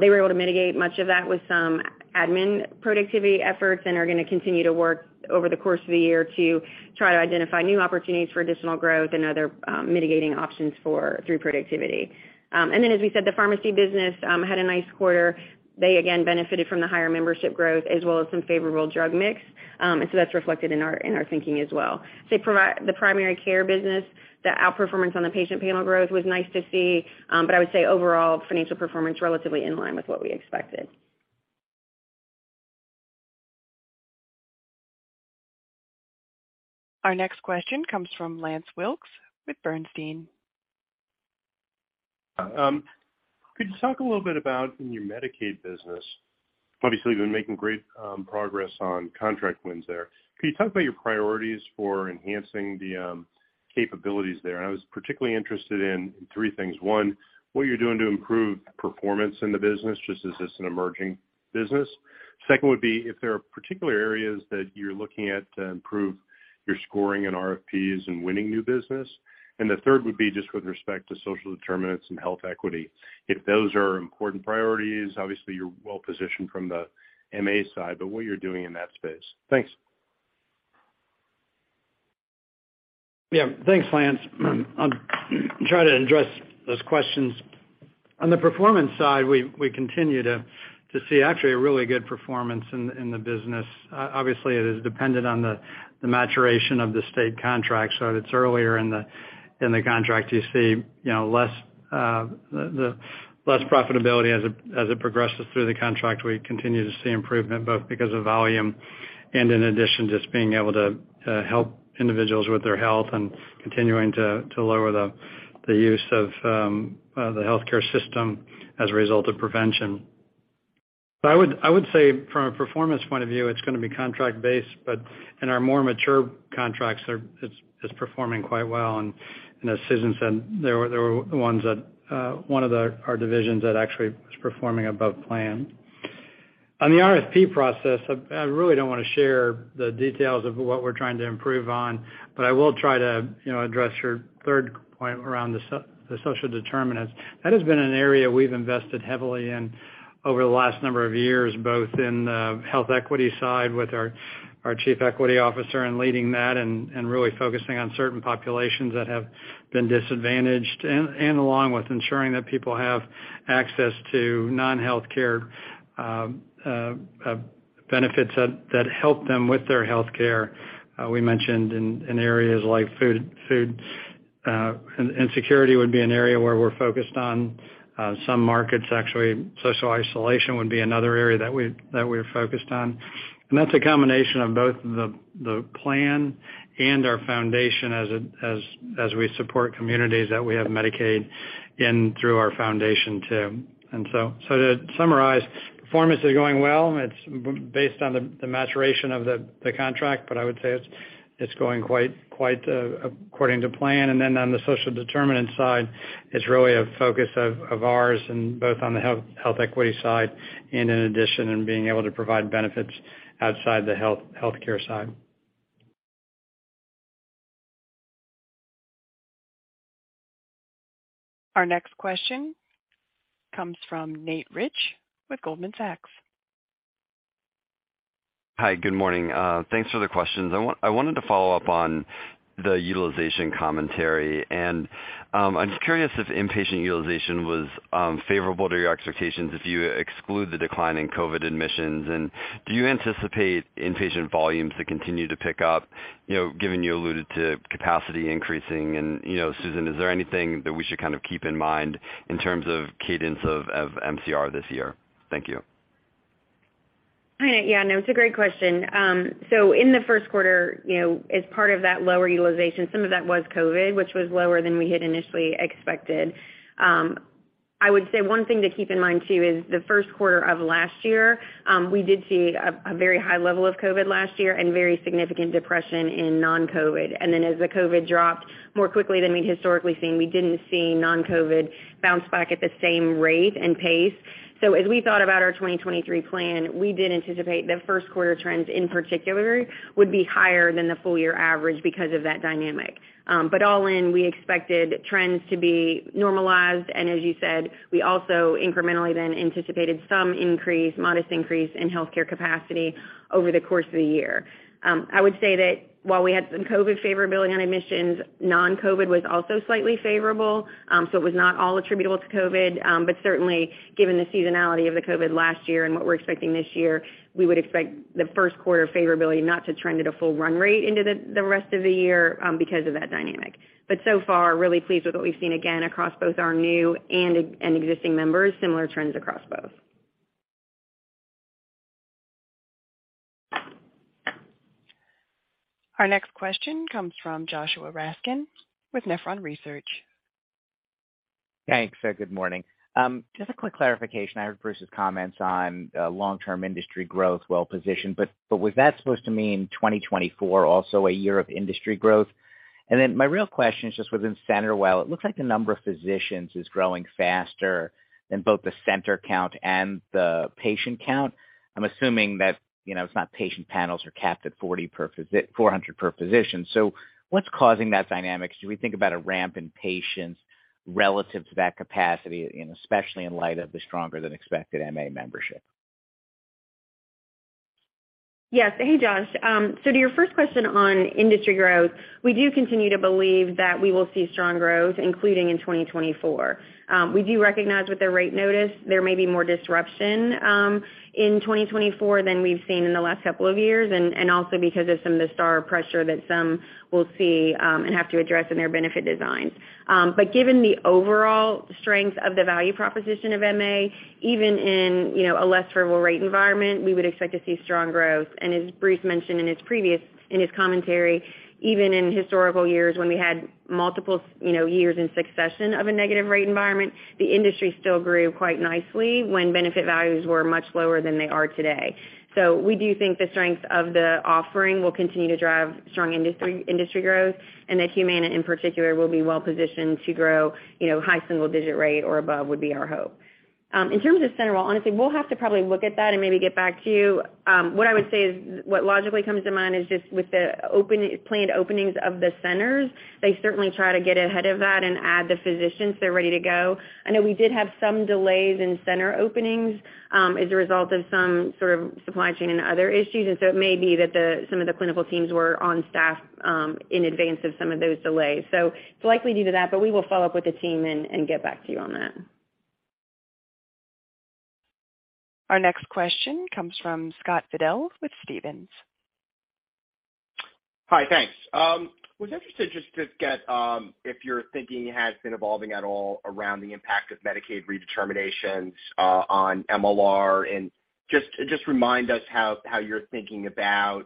They were able to mitigate much of that with some admin productivity efforts and are gonna continue to work over the course of the year to try to identify new opportunities for additional growth and other mitigating options through productivity. As we said, the pharmacy business had a nice quarter. They again benefited from the higher membership growth as well as some favorable drug mix. That's reflected in our, in our thinking as well. The primary care business, the outperformance on the patient panel growth was nice to see. I would say overall financial performance relatively in line with what we expected. Our next question comes from Lance Wilkes with Bernstein. Could you talk a little bit about in your Medicaid business, obviously you've been making great progress on contract wins there. Can you talk about your priorities for enhancing the capabilities there? I was particularly interested in three things. One, what you're doing to improve performance in the business, just as it's an emerging business. Second would be if there are particular areas that you're looking at to improve your scoring and RFPs and winning new business. The third would be just with respect to social determinants and health equity, if those are important priorities, obviously you're well-positioned from the MA side, but what you're doing in that space. Thanks. Thanks, Lance. I'll try to address those questions. On the performance side, we continue to see actually a really good performance in the business. Obviously, it is dependent on the maturation of the state contract. It's earlier in the contract, you see, you know, less profitability as it progresses through the contract. We continue to see improvement both because of volume and in addition, just being able to help individuals with their health and continuing to lower the use of the healthcare system as a result of prevention. I would say from a performance point of view, it's gonna be contract-based, but in our more mature contracts it's performing quite well. As Susan said, there were ones that, one of our divisions that actually was performing above plan. On the RFP process, I really don't wanna share the details of what we're trying to improve on, but I will try to, you know, address your third point around the social determinants. That has been an area we've invested heavily in over the last number of years, both in the health equity side with our chief equity officer in leading that and really focusing on certain populations that have been disadvantaged. Along with ensuring that people have access to non-healthcare benefits that help them with their healthcare. We mentioned in areas like food and security would be an area where we're focused on. Some markets, actually, social isolation would be another area that we're focused on. That's a combination of both the plan and our foundation as we support communities that we have Medicaid in through our foundation too. To summarize, performance is going well. It's based on the maturation of the contract, but I would say it's going quite according to plan. On the social determinant side, it's really a focus of ours and both on the health equity side and in addition, in being able to provide benefits outside the healthcare side. Our next question comes from Nate Rich with Goldman Sachs. Hi. Good morning. Thanks for the questions. I wanted to follow up on the utilization commentary. I'm just curious if inpatient utilization was favorable to your expectations if you exclude the decline in COVID admissions. Do you anticipate inpatient volumes to continue to pick up, you know, given you alluded to capacity increasing? You know, Susan, is there anything that we should kind of keep in mind in terms of cadence of MCR this year? Thank you. Yeah. No, it's a great question. In the first quarter, you know, as part of that lower utilization, some of that was COVID, which was lower than we had initially expected. I would say one thing to keep in mind, too, is the first quarter of last year, we did see a very high level of COVID last year and very significant depression in non-COVID. As the COVID dropped more quickly than we'd historically seen, we didn't see non-COVID bounce back at the same rate and pace. As we thought about our 2023 plan, we did anticipate the first quarter trends, in particular, would be higher than the full year average because of that dynamic. All in, we expected trends to be normalized. As you said, we also incrementally then anticipated some increase, modest increase in healthcare capacity over the course of the year. I would say that while we had some COVID favorability on admissions, non-COVID was also slightly favorable. It was not all attributable to COVID, certainly given the seasonality of the COVID last year and what we're expecting this year, we would expect the first quarter favorability not to trend at a full run rate into the rest of the year, because of that dynamic. So far, really pleased with what we've seen, again, across both our new and existing members, similar trends across both. Our next question comes from Joshua Raskin with Nephron Research. Thanks. Good morning. Just a quick clarification. I heard Bruce's comments on long-term industry growth well-positioned, but was that supposed to mean 2024 also a year of industry growth? My real question is just within CenterWell, it looks like the number of physicians is growing faster than both the center count and the patient count. I'm assuming that, you know, it's not patient panels are capped at 40 per 400 per physician. What's causing that dynamic? Should we think about a ramp in patients relative to that capacity, and especially in light of the stronger than expected MA membership? Hey, Josh. To your first question on industry growth, we do continue to believe that we will see strong growth, including in 2024. We do recognize with the rate notice there may be more disruption in 2024 than we've seen in the last couple of years, and also because of some of the STAR pressure that some will see and have to address in their benefit designs. Given the overall strength of the value proposition of MA, even in, you know, a less favorable rate environment, we would expect to see strong growth. As Bruce mentioned in his commentary, even in historical years when we had multiple, you know, years in succession of a negative rate environment, the industry still grew quite nicely when benefit values were much lower than they are today. We do think the strength of the offering will continue to drive strong industry growth and that Humana, in particular, will be well positioned to grow, you know, high single-digit rate or above would be our hope. In terms of CenterWell, honestly, we'll have to probably look at that and maybe get back to you. What I would say is what logically comes to mind is just with the planned openings of the centers, they certainly try to get ahead of that and add the physicians, they're ready to go. I know we did have some delays in center openings as a result of some sort of supply chain and other issues. It may be that some of the clinical teams were on staff in advance of some of those delays. It's likely due to that, but we will follow up with the team and get back to you on that. Our next question comes from Scott Fidel with Stephens. Hi. Thanks. was interested just to get if your thinking has been evolving at all around the impact of Medicaid redeterminations on MLR. Just, just remind us how you're thinking about,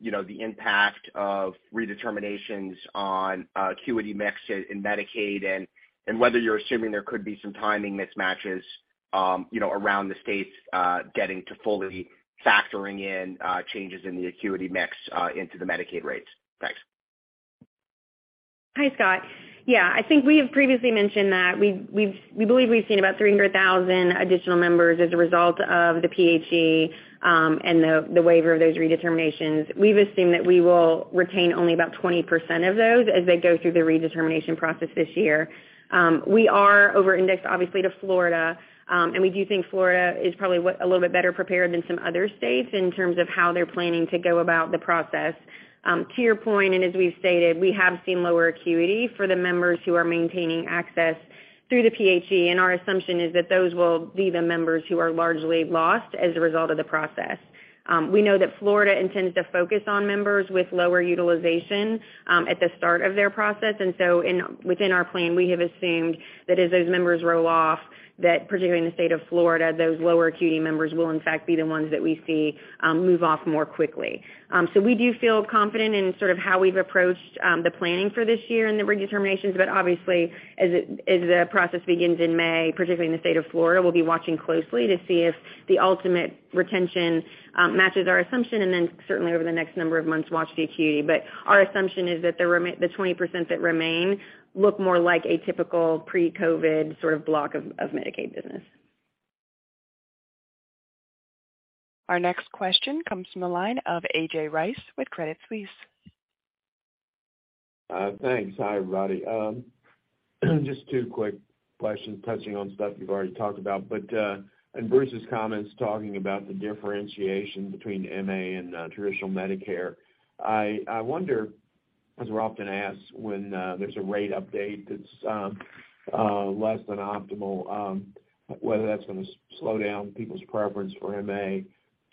you know, the impact of redeterminations on acuity mix in Medicaid, and whether you're assuming there could be some timing mismatches, you know, around the states getting to fully factoring in changes in the acuity mix into the Medicaid rates? Thanks. Hi, Scott. Yeah. I think we have previously mentioned that we've we believe we've seen about 300,000 additional members as a result of the PHE and the waiver of those redeterminations. We've assumed that we will retain only about 20% of those as they go through the redetermination process this year. We are over indexed obviously to Florida, and we do think Florida is probably what, a little bit better prepared than some other states in terms of how they're planning to go about the process. To your point, and as we've stated, we have seen lower acuity for the members who are maintaining access through the PHE, and our assumption is that those will be the members who are largely lost as a result of the process. We know that Florida intends to focus on members with lower utilization at the start of their process. Within our plan, we have assumed that as those members roll off, that particularly in the state of Florida, those lower acuity members will in fact be the ones that we see move off more quickly. We do feel confident in sort of how we've approached the planning for this year and the redeterminations. Obviously, as the process begins in May, particularly in the state of Florida, we'll be watching closely to see if the ultimate retention matches our assumption and then certainly over the next number of months, watch the acuity. Our assumption is that the 20% that remain look more like a typical pre-COVID sort of block of Medicaid business. Our next question comes from the line of A.J. Rice with Credit Suisse. Thanks. Hi, everybody. Just two quick questions touching on stuff you've already talked about. In Bruce's comments talking about the differentiation between MA and traditional Medicare, I wonder, as we're often asked when there's a rate update that's less than optimal, whether that's gonna slow down people's preference for MA.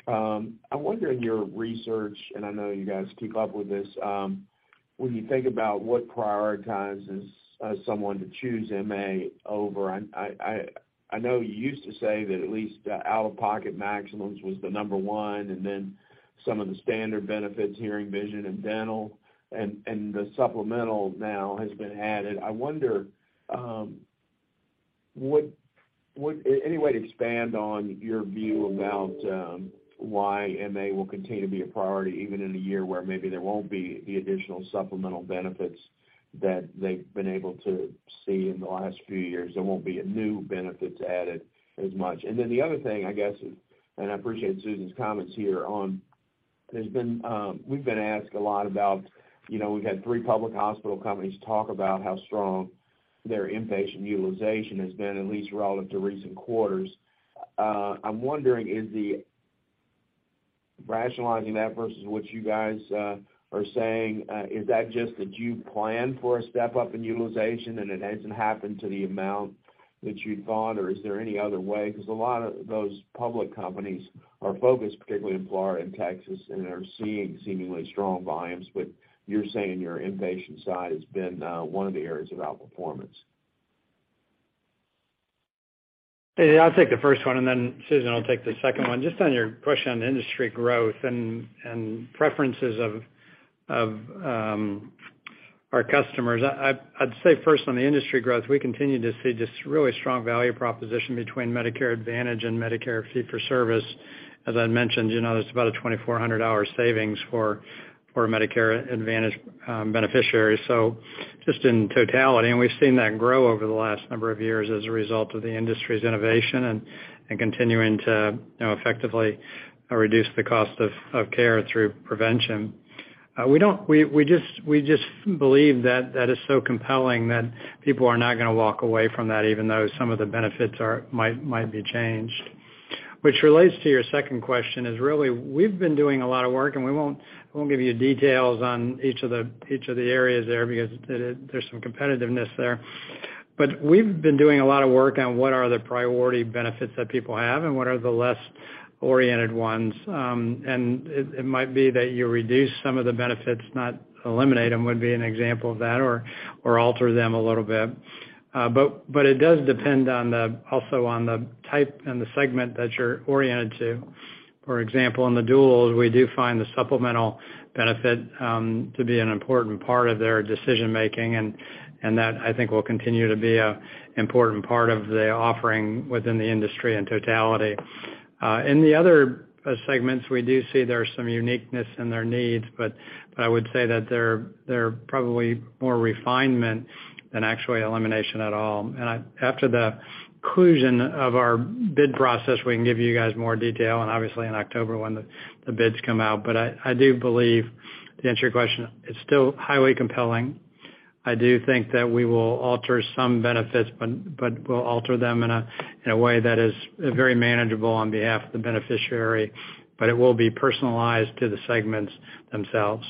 I wonder in your research, and I know you guys keep up with this, when you think about what prioritizes someone to choose MA over, I know you used to say that at least the out-of-pocket maximums was the number one, and then some of the standard benefits, hearing, vision, and dental, and the supplemental now has been added. I wonder, any way to expand on your view about why MA will continue to be a priority even in a year where maybe there won't be the additional supplemental benefits that they've been able to see in the last few years? There won't be a new benefit added as much. The other thing, I guess, and I appreciate Susan's comments here on, there's been, we've been asked a lot about, you know, we've had three public hospital companies talk about how strong their inpatient utilization has been, at least relative to recent quarters. I'm wondering, is the rationalizing that versus what you guys are saying, is that just that you plan for a step-up in utilization and it hasn't happened to the amount that you'd thought? Or is there any other way? A lot of those public companies are focused, particularly in Florida and Texas, and are seeing seemingly strong volumes. You're saying your inpatient side has been one of the areas of outperformance. Hey, I'll take the first one, and then Susan will take the second one. Just on your question on industry growth and preferences of our customers. I'd say first on the industry growth, we continue to see just really strong value proposition between Medicare Advantage and Medicare fee-for-service. As I mentioned, you know, there's about a $2,400 savings for Medicare Advantage beneficiaries. Just in totality, and we've seen that grow over the last number of years as a result of the industry's innovation and continuing to, you know, effectively reduce the cost of care through prevention. We just believe that that is so compelling that people are not gonna walk away from that, even though some of the benefits might be changed. Which relates to your second question, is really we've been doing a lot of work, and we won't give you details on each of the areas there because there's some competitiveness there. We've been doing a lot of work on what are the priority benefits that people have and what are the less oriented ones. It might be that you reduce some of the benefits, not eliminate them, would be an example of that, or alter them a little bit. But it does depend on the type and the segment that you're oriented to. For example, in the duals, we do find the supplemental benefit, to be an important part of their decision-making, and that I think will continue to be a important part of the offering within the industry in totality. In the other segments, we do see there is some uniqueness in their needs, but I would say that they're probably more refinement than actually elimination at all. After the conclusion of our bid process, we can give you guys more detail and obviously in October when the bids come out. I do believe, to answer your question, it's still highly compelling. I do think that we will alter some benefits, but we'll alter them in a, in a way that is very manageable on behalf of the beneficiary, but it will be personalized to the segments themselves.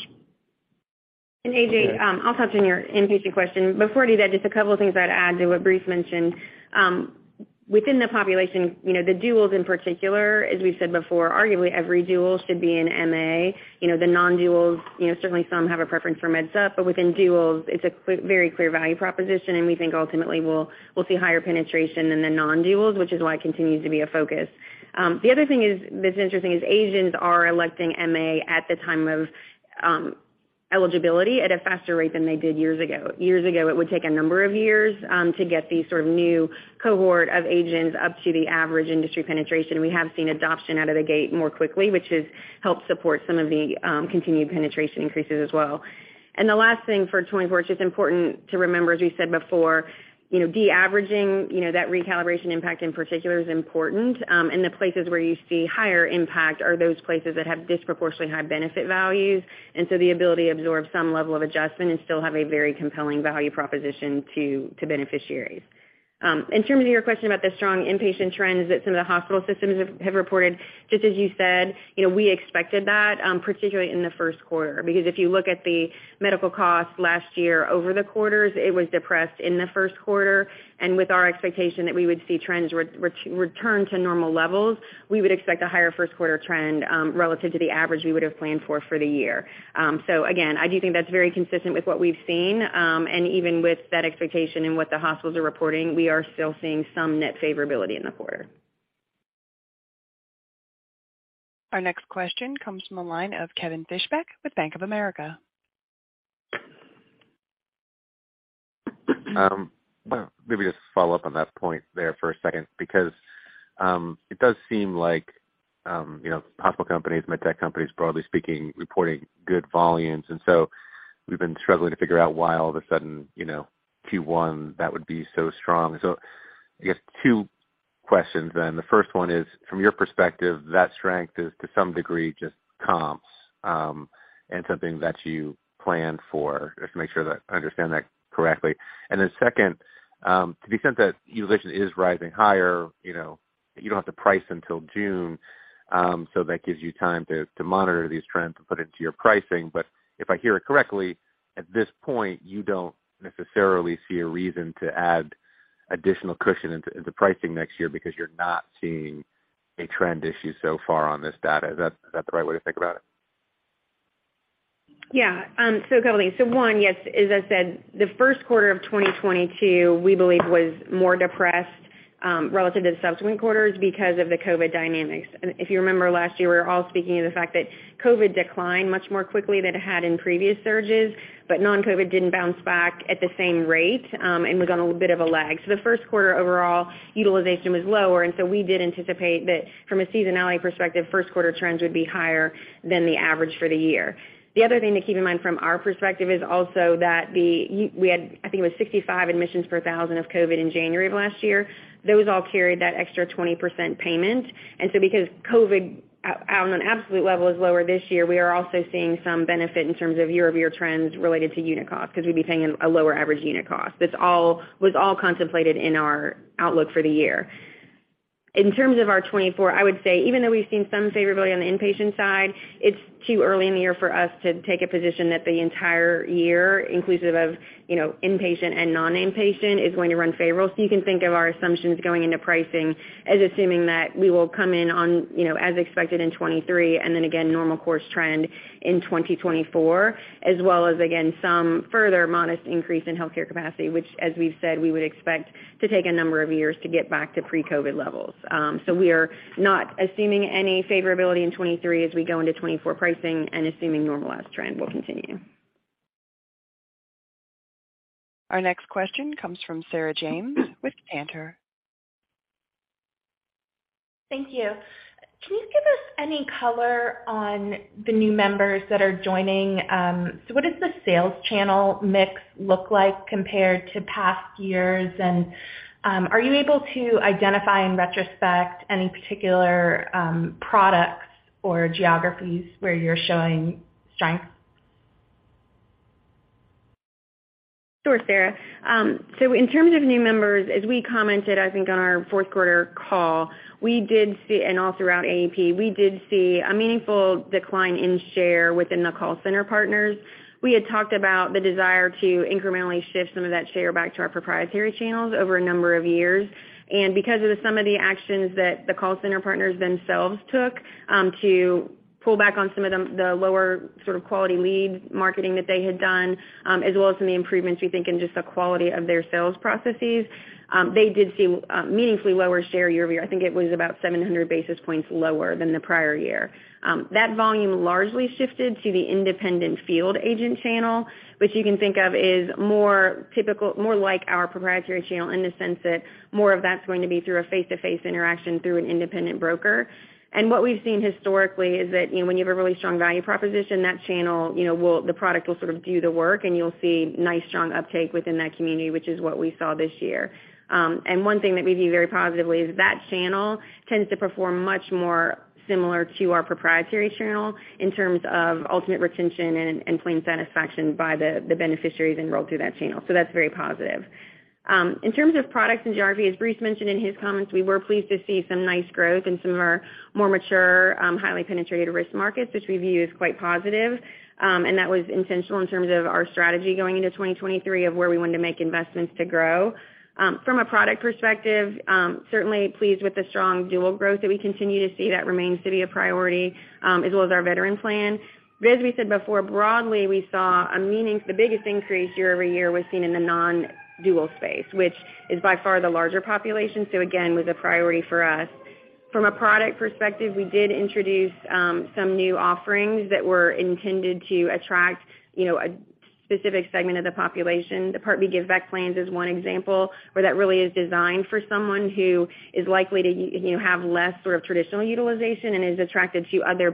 A.J., I'll touch on your inpatient question. Before I do that, just a couple of things I'd add to what Bruce mentioned. Within the population, you know, the duals in particular, as we've said before, arguably every dual should be in MA. You know, the non-duals, you know, certainly some have a preference for Med Supp, but within duals, it's a very clear value proposition, and we think ultimately we'll see higher penetration than the non-duals, which is why it continues to be a focus. The other thing is, that's interesting is age-ins are electing MA at the time of eligibility at a faster rate than they did years ago. Years ago, it would take a number of years to get these sort of new cohort of age-ins up to the average industry penetration. We have seen adoption out of the gate more quickly, which has helped support some of the continued penetration increases as well. The last thing for 2024, it's just important to remember, as we said before, you know, de-averaging, you know, that recalibration impact in particular is important, and the places where you see higher impact are those places that have disproportionately high benefit values. The ability to absorb some level of adjustment and still have a very compelling value proposition to beneficiaries. In terms of your question about the strong inpatient trends that some of the hospital systems have reported, just as you said, you know, we expected that, particularly in the first quarter, because if you look at the medical costs last year over the quarters, it was depressed in the first quarter. With our expectation that we would see trends return to normal levels, we would expect a higher first quarter trend, relative to the average we would have planned for for the year. Again, I do think that's very consistent with what we've seen, and even with that expectation and what the hospitals are reporting, we are still seeing some net favorability in the quarter. Our next question comes from the line of Kevin Fischbeck with Bank of America. Well, maybe just follow up on that point there for a second because it does seem like, you know, hospital companies, med tech companies, broadly speaking, reporting good volumes. We've been struggling to figure out why all of a sudden, you know, Q1, that would be so strong. I guess two questions then. The first one is, from your perspective, that strength is to some degree just comps, and something that you planned for, just to make sure that I understand that correctly. Second, to the extent that utilization is rising higher, you know, you don't have to price until June, so that gives you time to monitor these trends and put it into your pricing. If I hear it correctly, at this point, you don't necessarily see a reason to add additional cushion into pricing next year because you're not seeing a trend issue so far on this data. Is that the right way to think about it? Yeah. A couple of things. One, yes, as I said, the first quarter of 2022, we believe was more depressed relative to the subsequent quarters because of the COVID dynamics. If you remember last year, we were all speaking of the fact that COVID declined much more quickly than it had in previous surges, but non-COVID didn't bounce back at the same rate and was on a bit of a lag. The first quarter overall utilization was lower, we did anticipate that from a seasonality perspective, first quarter trends would be higher than the average for the year. The other thing to keep in mind from our perspective is also that we had, I think it was 65 admissions per 1,000 of COVID in January of last year. Those all carried that extra 20% payment. Because COVID out on an absolute level is lower this year, we are also seeing some benefit in terms of year-over-year trends related to unit costs because we'd be paying a lower average unit cost. It was all contemplated in our outlook for the year. In terms of our 2024, I would say even though we've seen some favorability on the inpatient side, it's too early in the year for us to take a position that the entire year, inclusive of, you know, inpatient and non-inpatient, is going to run favorable. You can think of our assumptions going into pricing as assuming that we will come in on, you know, as expected in 2023 and then again, normal course trend in 2024, as well as again, some further modest increase in healthcare capacity, which as we've said, we would expect to take a number of years to get back to pre-COVID levels. We are not assuming any favorability in 2023 as we go into 2024 pricing and assuming normalized trend will continue. Our next question comes from Sarah James with Cantor. Thank you. Can you give us any color on the new members that are joining, what does the sales channel mix look like compared to past years? Are you able to identify in retrospect any particular products or geographies where you're showing strength? Sure, Sarah. In terms of new members, as we commented, I think on our fourth quarter call, we did see a meaningful decline in share within the call center partners. We had talked about the desire to incrementally shift some of that share back to our proprietary channels over a number of years. Because of some of the actions that the call center partners themselves took, to pull back on the lower sort of quality lead marketing that they had done, as well as some of the improvements we think in just the quality of their sales processes, they did see meaningfully lower share year-over-year. I think it was about 700 basis points lower than the prior year. That volume largely shifted to the independent field agent channel, which you can think of as more typical, more like our proprietary channel in the sense that more of that's going to be through a face-to-face interaction through an independent broker. What we've seen historically is that, you know, when you have a really strong value proposition, that channel, you know, will sort of do the work, and you'll see nice, strong uptake within that community, which is what we saw this year. One thing that we view very positively is that channel tends to perform much more similar to our proprietary channel in terms of ultimate retention and plan satisfaction by the beneficiaries enrolled through that channel. That's very positive. In terms of products and geography, as Bruce mentioned in his comments, we were pleased to see some nice growth in some of our more mature, highly penetrated risk markets, which we view as quite positive. That was intentional in terms of our strategy going into 2023 of where we wanted to make investments to grow. From a product perspective, certainly pleased with the strong dual growth that we continue to see. That remains to be a priority, as well as our veteran plan. As we said before, broadly, we saw the biggest increase year-over-year was seen in the non-dual space, which is by far the larger population, so again, was a priority for us. From a product perspective, we did introduce some new offerings that were intended to attract, you know, a specific segment of the population. The Part B Give Back plans is one example where that really is designed for someone who is likely to you know, have less sort of traditional utilization and is attracted to other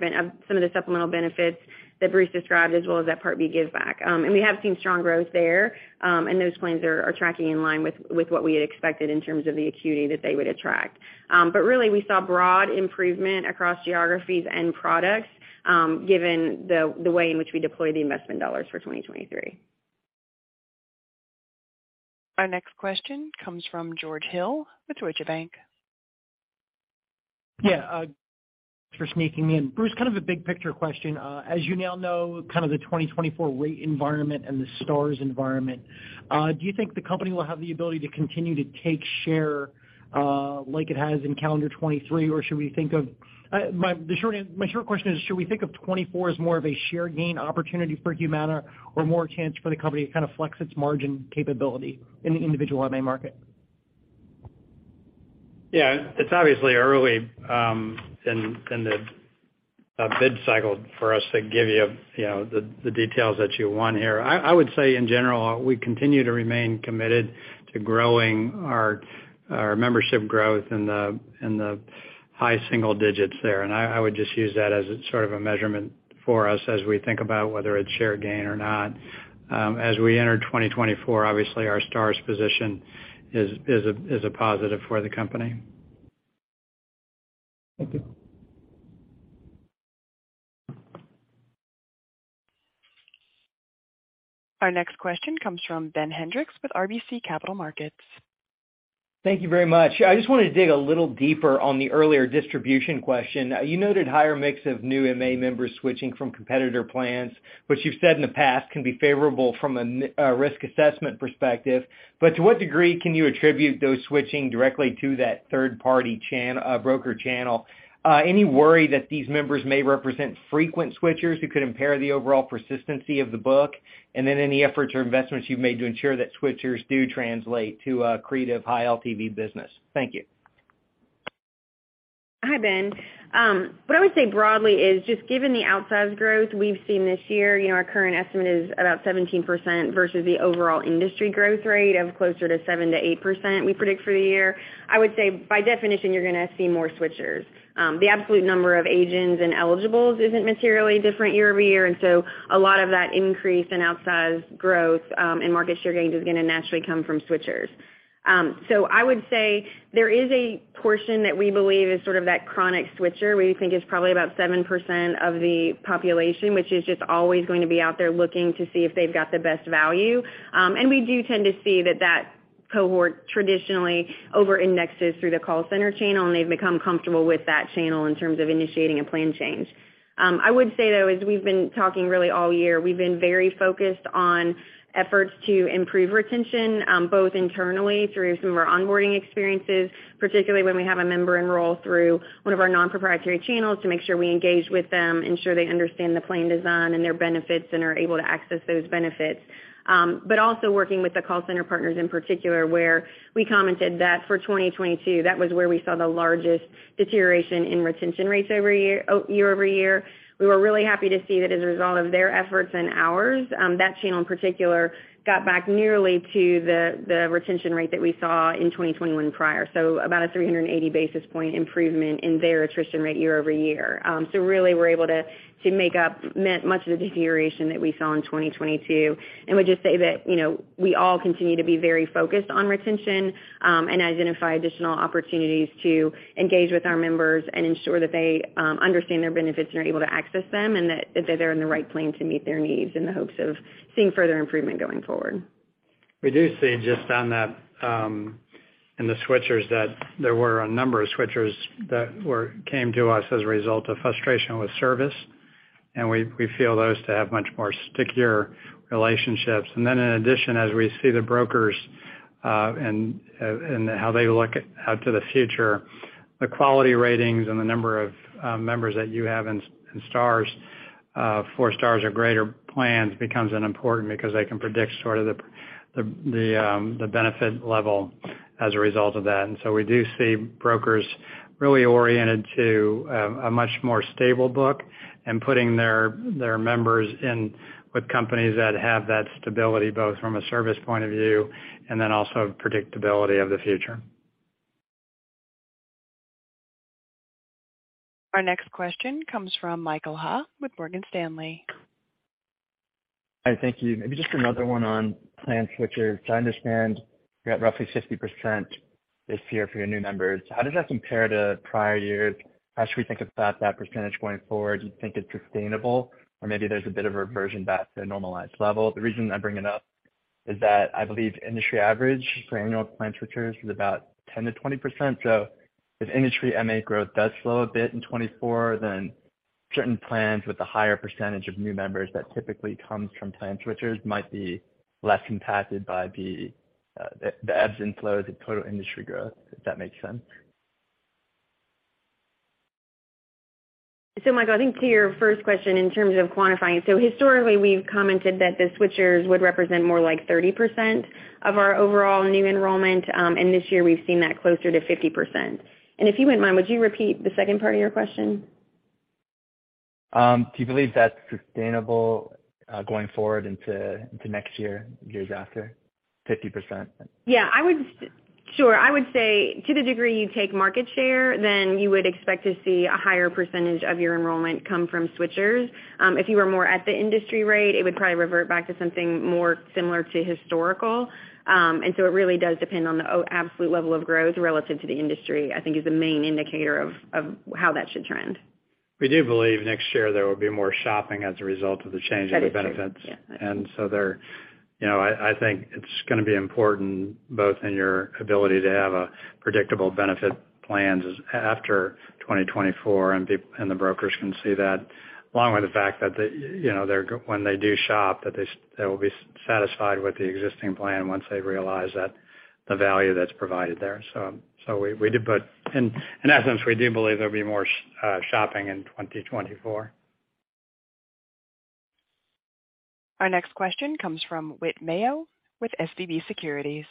some of the supplemental benefits that Bruce described, as well as that Part B Give Back. We have seen strong growth there, and those plans are tracking in line with what we had expected in terms of the acuity that they would attract. Really, we saw broad improvement across geographies and products, given the way in which we deploy the investment dollars for 2023. Our next question comes from George Hill with Deutsche Bank. Yeah, thanks for sneaking me in. Bruce, kind of a big picture question. As you now know, kind of the 2024 rate environment and the Stars environment, do you think the company will have the ability to continue to take share, like it has in calendar 2023? My short question is, should we think of 2024 as more of a share gain opportunity for Humana, or more a chance for the company to kind of flex its margin capability in the individual MA market? Yeah, it's obviously early in the bid cycle for us to give you know, the details that you want here. I would say in general, we continue to remain committed to growing our membership growth in the high single digits there. I would just use that as a sort of a measurement for us as we think about whether it's share gain or not. As we enter 2024, obviously our Stars position is a positive for the company. Thank you. Our next question comes from Ben Hendrix with RBC Capital Markets. Thank you very much. I just wanted to dig a little deeper on the earlier distribution question. You noted higher mix of new MA members switching from competitor plans, which you've said in the past can be favorable from a risk assessment perspective. To what degree can you attribute those switching directly to that third-party broker channel? Any worry that these members may represent frequent switchers who could impair the overall persistency of the book? Any efforts or investments you've made to ensure that switchers do translate to accretive high LTV business? Thank you. Hi, Ben. What I would say broadly is just given the outsized growth we've seen this year, you know, our current estimate is about 17% versus the overall industry growth rate of closer to 7%-8% we predict for the year. I would say by definition, you're gonna see more switchers. The absolute number of age-ins and eligibles isn't materially different year over year, a lot of that increase in outsized growth and market share gains is gonna naturally come from switchers. I would say there is a portion that we believe is sort of that chronic switcher. We think it's probably about 7% of the population, which is just always going to be out there looking to see if they've got the best value. We do tend to see that that cohort traditionally over-indexes through the call center channel, and they've become comfortable with that channel in terms of initiating a plan change. I would say, though, as we've been talking really all year, we've been very focused on efforts to improve retention, both internally through some of our onboarding experiences, particularly when we have a member enroll through one of our non-proprietary channels to make sure we engage with them, ensure they understand the plan design and their benefits and are able to access those benefits. Also working with the call center partners in particular, where we commented that for 2022, that was where we saw the largest deterioration in retention rates every year-over-year. We were really happy to see that as a result of their efforts and ours, that channel in particular got back nearly to the retention rate that we saw in 2021 prior. About a 380 basis point improvement in their attrition rate year-over-year. Really, we're able to make up much of the deterioration that we saw in 2022, and would just say that, you know, we all continue to be very focused on retention, and identify additional opportunities to engage with our members and ensure that they understand their benefits and are able to access them, and that they're in the right plan to meet their needs in the hopes of seeing further improvement going forward. We do see just on that, in the switchers that there were a number of switchers that came to us as a result of frustration with service, and we feel those to have much more stickier relationships. Then in addition, as we see the brokers, and how they look out to the future, the quality ratings and the number of members that you have in stars, four stars or greater plans becomes an important because they can predict sort of the benefit level as a result of that. So we do see brokers really oriented to a much more stable book and putting their members in with companies that have that stability, both from a service point of view and then also predictability of the future. Our next question comes from Michael Ha with Morgan Stanley. Hi. Thank you. Maybe just another one on plan switchers. I understand you got roughly 60% this year for your new members. How does that compare to prior years? How should we think about that percentage going forward? Do you think it's sustainable, or maybe there's a bit of a reversion back to a normalized level? The reason I bring it up is that I believe industry average for annual plan switchers is about 10%-20%. If industry MA growth does slow a bit in 2024, then certain plans with a higher percentage of new members that typically comes from plan switchers might be less impacted by the ebbs and flows of total industry growth, if that makes sense. Michael, I think to your first question in terms of quantifying, historically we've commented that the switchers would represent more like 30% of our overall new enrollment, and this year we've seen that closer to 50%. If you wouldn't mind, would you repeat the second part of your question? Do you believe that's sustainable, going forward into next year, years after, 50%? Yeah, I would sure. I would say to the degree you take market share, you would expect to see a higher percentage of your enrollment come from switchers. If you were more at the industry rate, it would probably revert back to something more similar to historical. It really does depend on the absolute level of growth relative to the industry, I think is the main indicator of how that should trend. We do believe next year there will be more shopping as a result of the change in the benefits. That is true. Yeah. There, you know, I think it's gonna be important both in your ability to have a predictable benefit plans after 2024, and the brokers can see that, along with the fact that the, you know, when they do shop, that they will be satisfied with the existing plan once they realize that the value that's provided there. We do, but in essence, we do believe there'll be more shopping in 2024. Our next question comes from Whit Mayo with SVB Securities.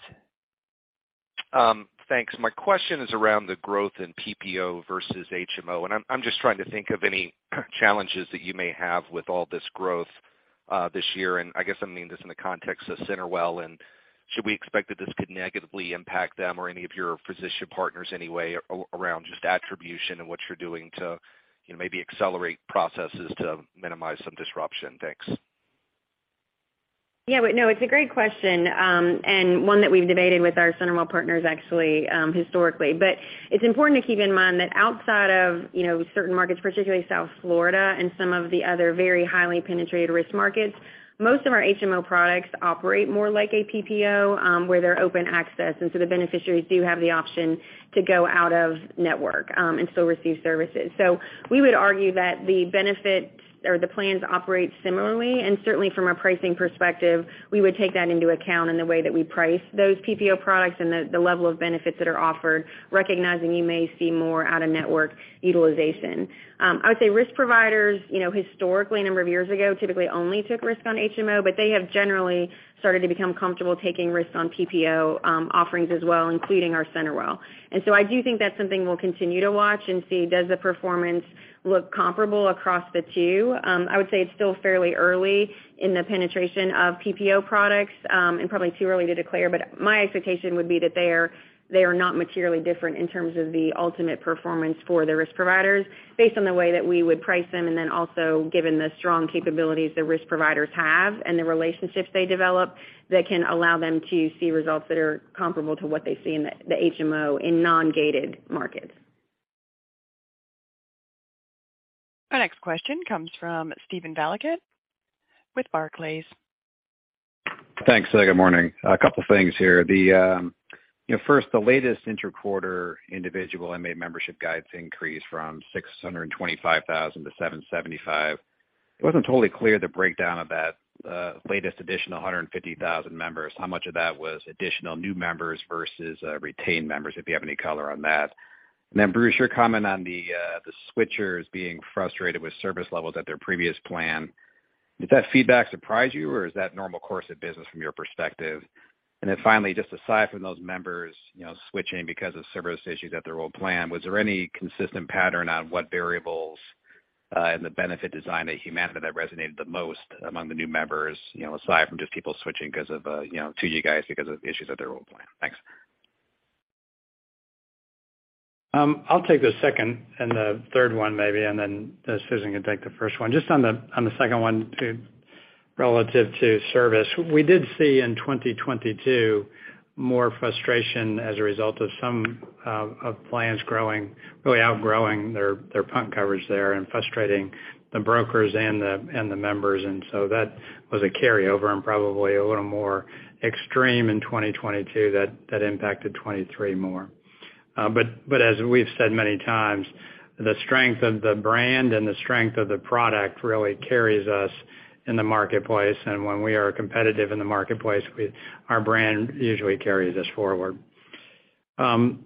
Thanks. My question is around the growth in PPO versus HMO. I'm just trying to think of any challenges that you may have with all this growth this year. I guess I mean this in the context of CenterWell. Should we expect that this could negatively impact them or any of your physician partners anyway around just attribution and what you're doing to, you know, maybe accelerate processes to minimize some disruption? Thanks. Yeah. Whit, no, it's a great question, and one that we've debated with our CenterWell partners actually, historically. It's important to keep in mind that outside of, you know, certain markets, particularly South Florida and some of the other very highly penetrated risk markets, most of our HMO products operate more like a PPO, where they're open access, the beneficiaries do have the option to go out of network, and still receive services. We would argue that the benefit or the plans operate similarly, and certainly from a pricing perspective, we would take that into account in the way that we price those PPO products and the level of benefits that are offered, recognizing you may see more out-of-network utilization. I would say risk providers, you know, historically, a number of years ago, typically only took risk on HMO, but they have generally started to become comfortable taking risks on PPO offerings as well, including our CenterWell. I do think that's something we'll continue to watch and see does the performance look comparable across the two. I would say it's still fairly early in the penetration of PPO products and probably too early to declare, but my expectation would be that they are not materially different in terms of the ultimate performance for the risk providers based on the way that we would price them and then also given the strong capabilities the risk providers have and the relationships they develop that can allow them to see results that are comparable to what they see in the HMO in non-gated markets. Our next question comes from Steven Valiquette with Barclays. Thanks. Good morning. A couple things here. You know, first, the latest inter-quarter individual MA membership guides increase from 625,000 to 775,000. It wasn't totally clear the breakdown of that latest addition, 150,000 members, how much of that was additional new members versus retained members, if you have any color on that. Bruce Broussard, your comment on the switchers being frustrated with service levels at their previous plan, did that feedback surprise you, or is that normal course of business from your perspective? Finally, just aside from those members, you know, switching because of service issues at their old plan, was there any consistent pattern on what variables, and the benefit design at Humana that resonated the most among the new members, you know, aside from just people switching 'cause of, you know, to you guys because of issues at their old plan? Thanks. I'll take the second and the third one maybe, and then Susan can take the first one. Just on the second one relative to service, we did see in 2022 more frustration as a result of some of plans growing, really outgrowing their county coverage there and frustrating the brokers and the members. That was a carryover and probably a little more extreme in 2022 that impacted 23 more. As we've said many times, the strength of the brand and the strength of the product really carries us in the marketplace. When we are competitive in the marketplace, our brand usually carries us forward. Do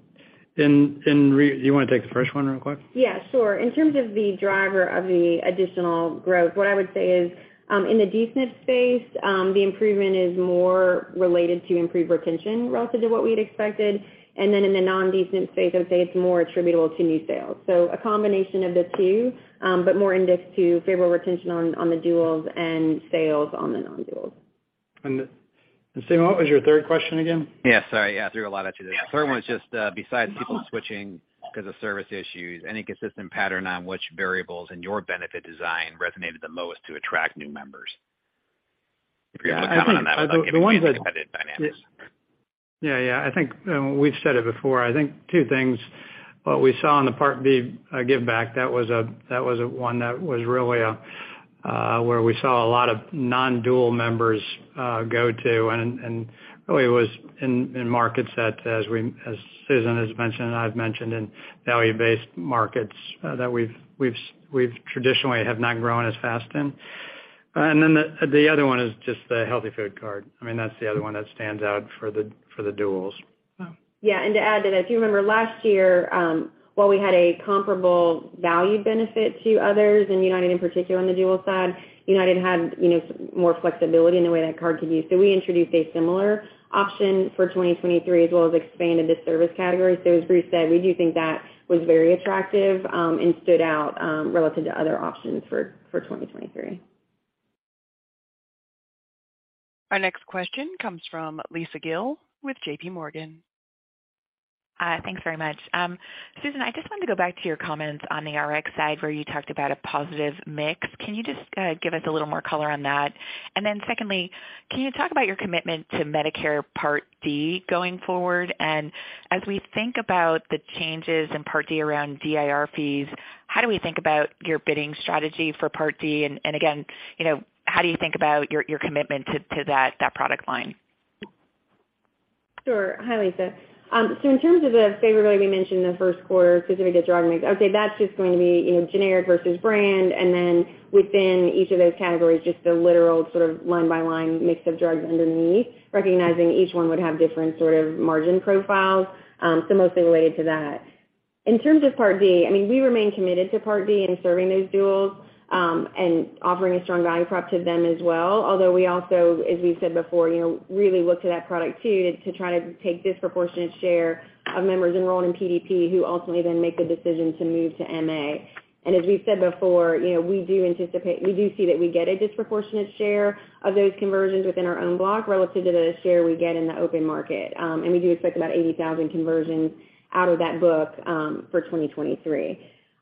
you wanna take the first one real quick? Yeah, sure. In terms of the driver of the additional growth, what I would say is, in the D-SNP space, the improvement is more related to improved retention relative to what we'd expected. In the non-D-SNP space, I would say it's more attributable to new sales. A combination of the two, but more indexed to favorable retention on the duals and sales on the non-duals. Steve, what was your third question again? Sorry. I threw a lot at you there. The third one was just, besides people switching 'cause of service issues, any consistent pattern on which variables in your benefit design resonated the most to attract new members? If you're able to comment on that would be amazing. Yeah. Yeah, I think, we've said it before, I think two things. What we saw in the Part B Give Back, that was a, that was a one that was really where we saw a lot of non-dual members go to. Really was in markets that as Susan has mentioned and I've mentioned, in value-based markets that we've traditionally have not grown as fast in. Then the other one is just the Healthy Food Card. I mean, that's the other one that stands out for the, for the duals. Yeah, to add to that, if you remember last year, while we had a comparable value benefit to others, and United in particular on the dual side, United had, you know, more flexibility in the way that card could be used. We introduced a similar option for 2023, as well as expanded the service category. As Bruce said, we do think that was very attractive, and stood out relative to other options for 2023. Our next question comes from Lisa Gill with JPMorgan. Thanks very much. Susan, I just wanted to go back to your comments on the Rx side, where you talked about a positive mix. Can you just give us a little more color on that? Secondly, can you talk about your commitment to Medicare Part D going forward? As we think about the changes in Part D around DIR fees, how do we think about your bidding strategy for Part D? Again, you know, how do you think about your commitment to that product line? Sure. Hi, Lisa. In terms of the favorability we mentioned in the 1st quarter specific to drug mix, okay, that's just going to be, you know, generic versus brand. Then within each of those categories, just the literal sort of line-by-line mix of drugs underneath, recognizing each one would have different sort of margin profiles, so mostly related to that. In terms of Part D, I mean, we remain committed to Part D and serving those duals, and offering a strong value prop to them as well. We also, as we've said before, you know, really look to that product too, to try to take disproportionate share of members enrolled in PDP who ultimately then make the decision to move to MA. As we've said before, you know, we do anticipate... We do see that we get a disproportionate share of those conversions within our own block relative to the share we get in the open market. We do expect about 80,000 conversions out of that book, for 2023.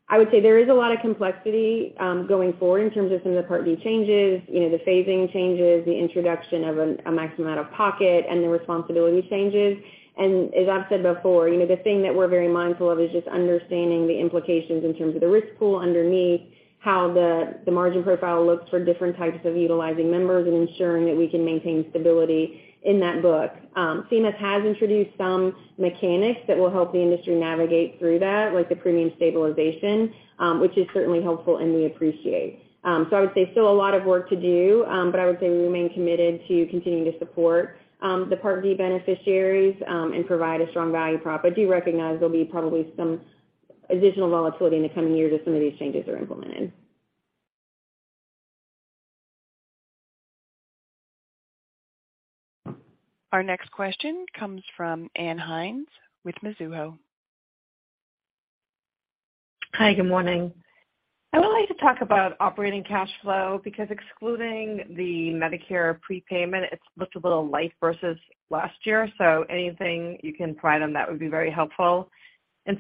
I would say there is a lot of complexity, going forward in terms of some of the Part D changes, you know, the phasing changes, the introduction of a maximum out-of-pocket and the responsibility changes. As I've said before, you know, the thing that we're very mindful of is just understanding the implications in terms of the risk pool underneath, how the margin profile looks for different types of utilizing members and ensuring that we can maintain stability in that book. CMS has introduced some mechanics that will help the industry navigate through that, like the premium stabilization, which is certainly helpful and we appreciate. I would say still a lot of work to do, but I would say we remain committed to continuing to support the Part D beneficiaries and provide a strong value prop. I do recognize there'll be probably some additional volatility in the coming years as some of these changes are implemented. Our next question comes from Ann Hynes with Mizuho. Hi, good morning. I would like to talk about operating cash flow, because excluding the Medicare prepayment, it's looked a little light versus last year. Anything you can provide on that would be very helpful.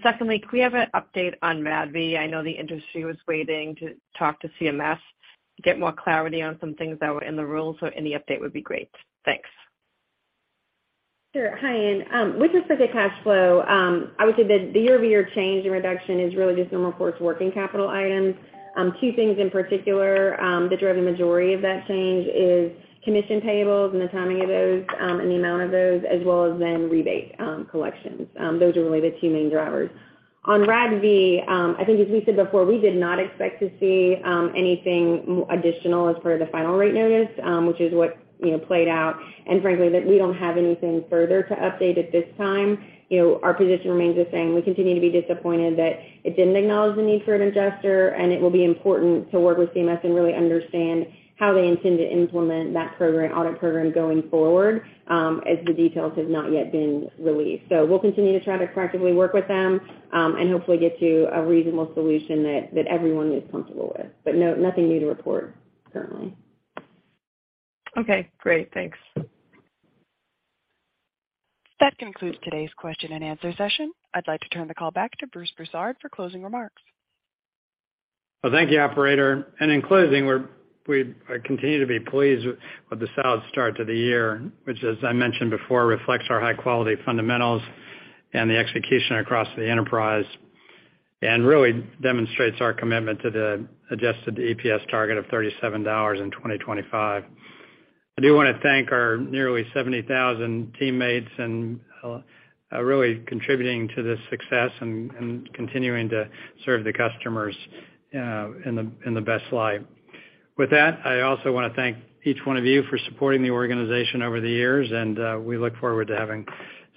Secondly, can we have an update on RADV? I know the industry was waiting to talk to CMS to get more clarity on some things that were in the rules. Any update would be great. Thanks. Sure. Hi, Ann. With respect to cash flow, I would say that the year-over-year change in reduction is really just normal course working capital items. Two things in particular that drove the majority of that change is commission payables and the timing of those, and the amount of those, as well as then rebate collections. Those are really the two main drivers. On RADV, I think as we said before, we did not expect to see anything additional as per the final rate notice, which is what, you know, played out. That we don't have anything further to update at this time. You know, our position remains the same. We continue to be disappointed that it didn't acknowledge the need for an adjuster. It will be important to work with CMS and really understand how they intend to implement that program, audit program going forward, as the details have not yet been released. We'll continue to try to proactively work with them and hopefully get to a reasonable solution that everyone is comfortable with. No, nothing new to report currently. Okay, great. Thanks. That concludes today's question and answer session. I'd like to turn the call back to Bruce Broussard for closing remarks. Well, thank you, operator. In closing, we continue to be pleased with the solid start to the year, which as I mentioned before, reflects our high quality fundamentals and the execution across the enterprise, and really demonstrates our commitment to the adjusted EPS target of $37 in 2025. I do wanna thank our nearly 70,000 teammates in really contributing to this success and continuing to serve the customers in the best light. With that, I also wanna thank each one of you for supporting the organization over the years, and we look forward to having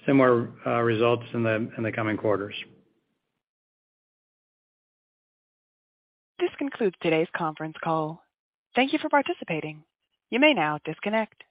similar results in the coming quarters. This concludes today's conference call. Thank you for participating. You may now disconnect.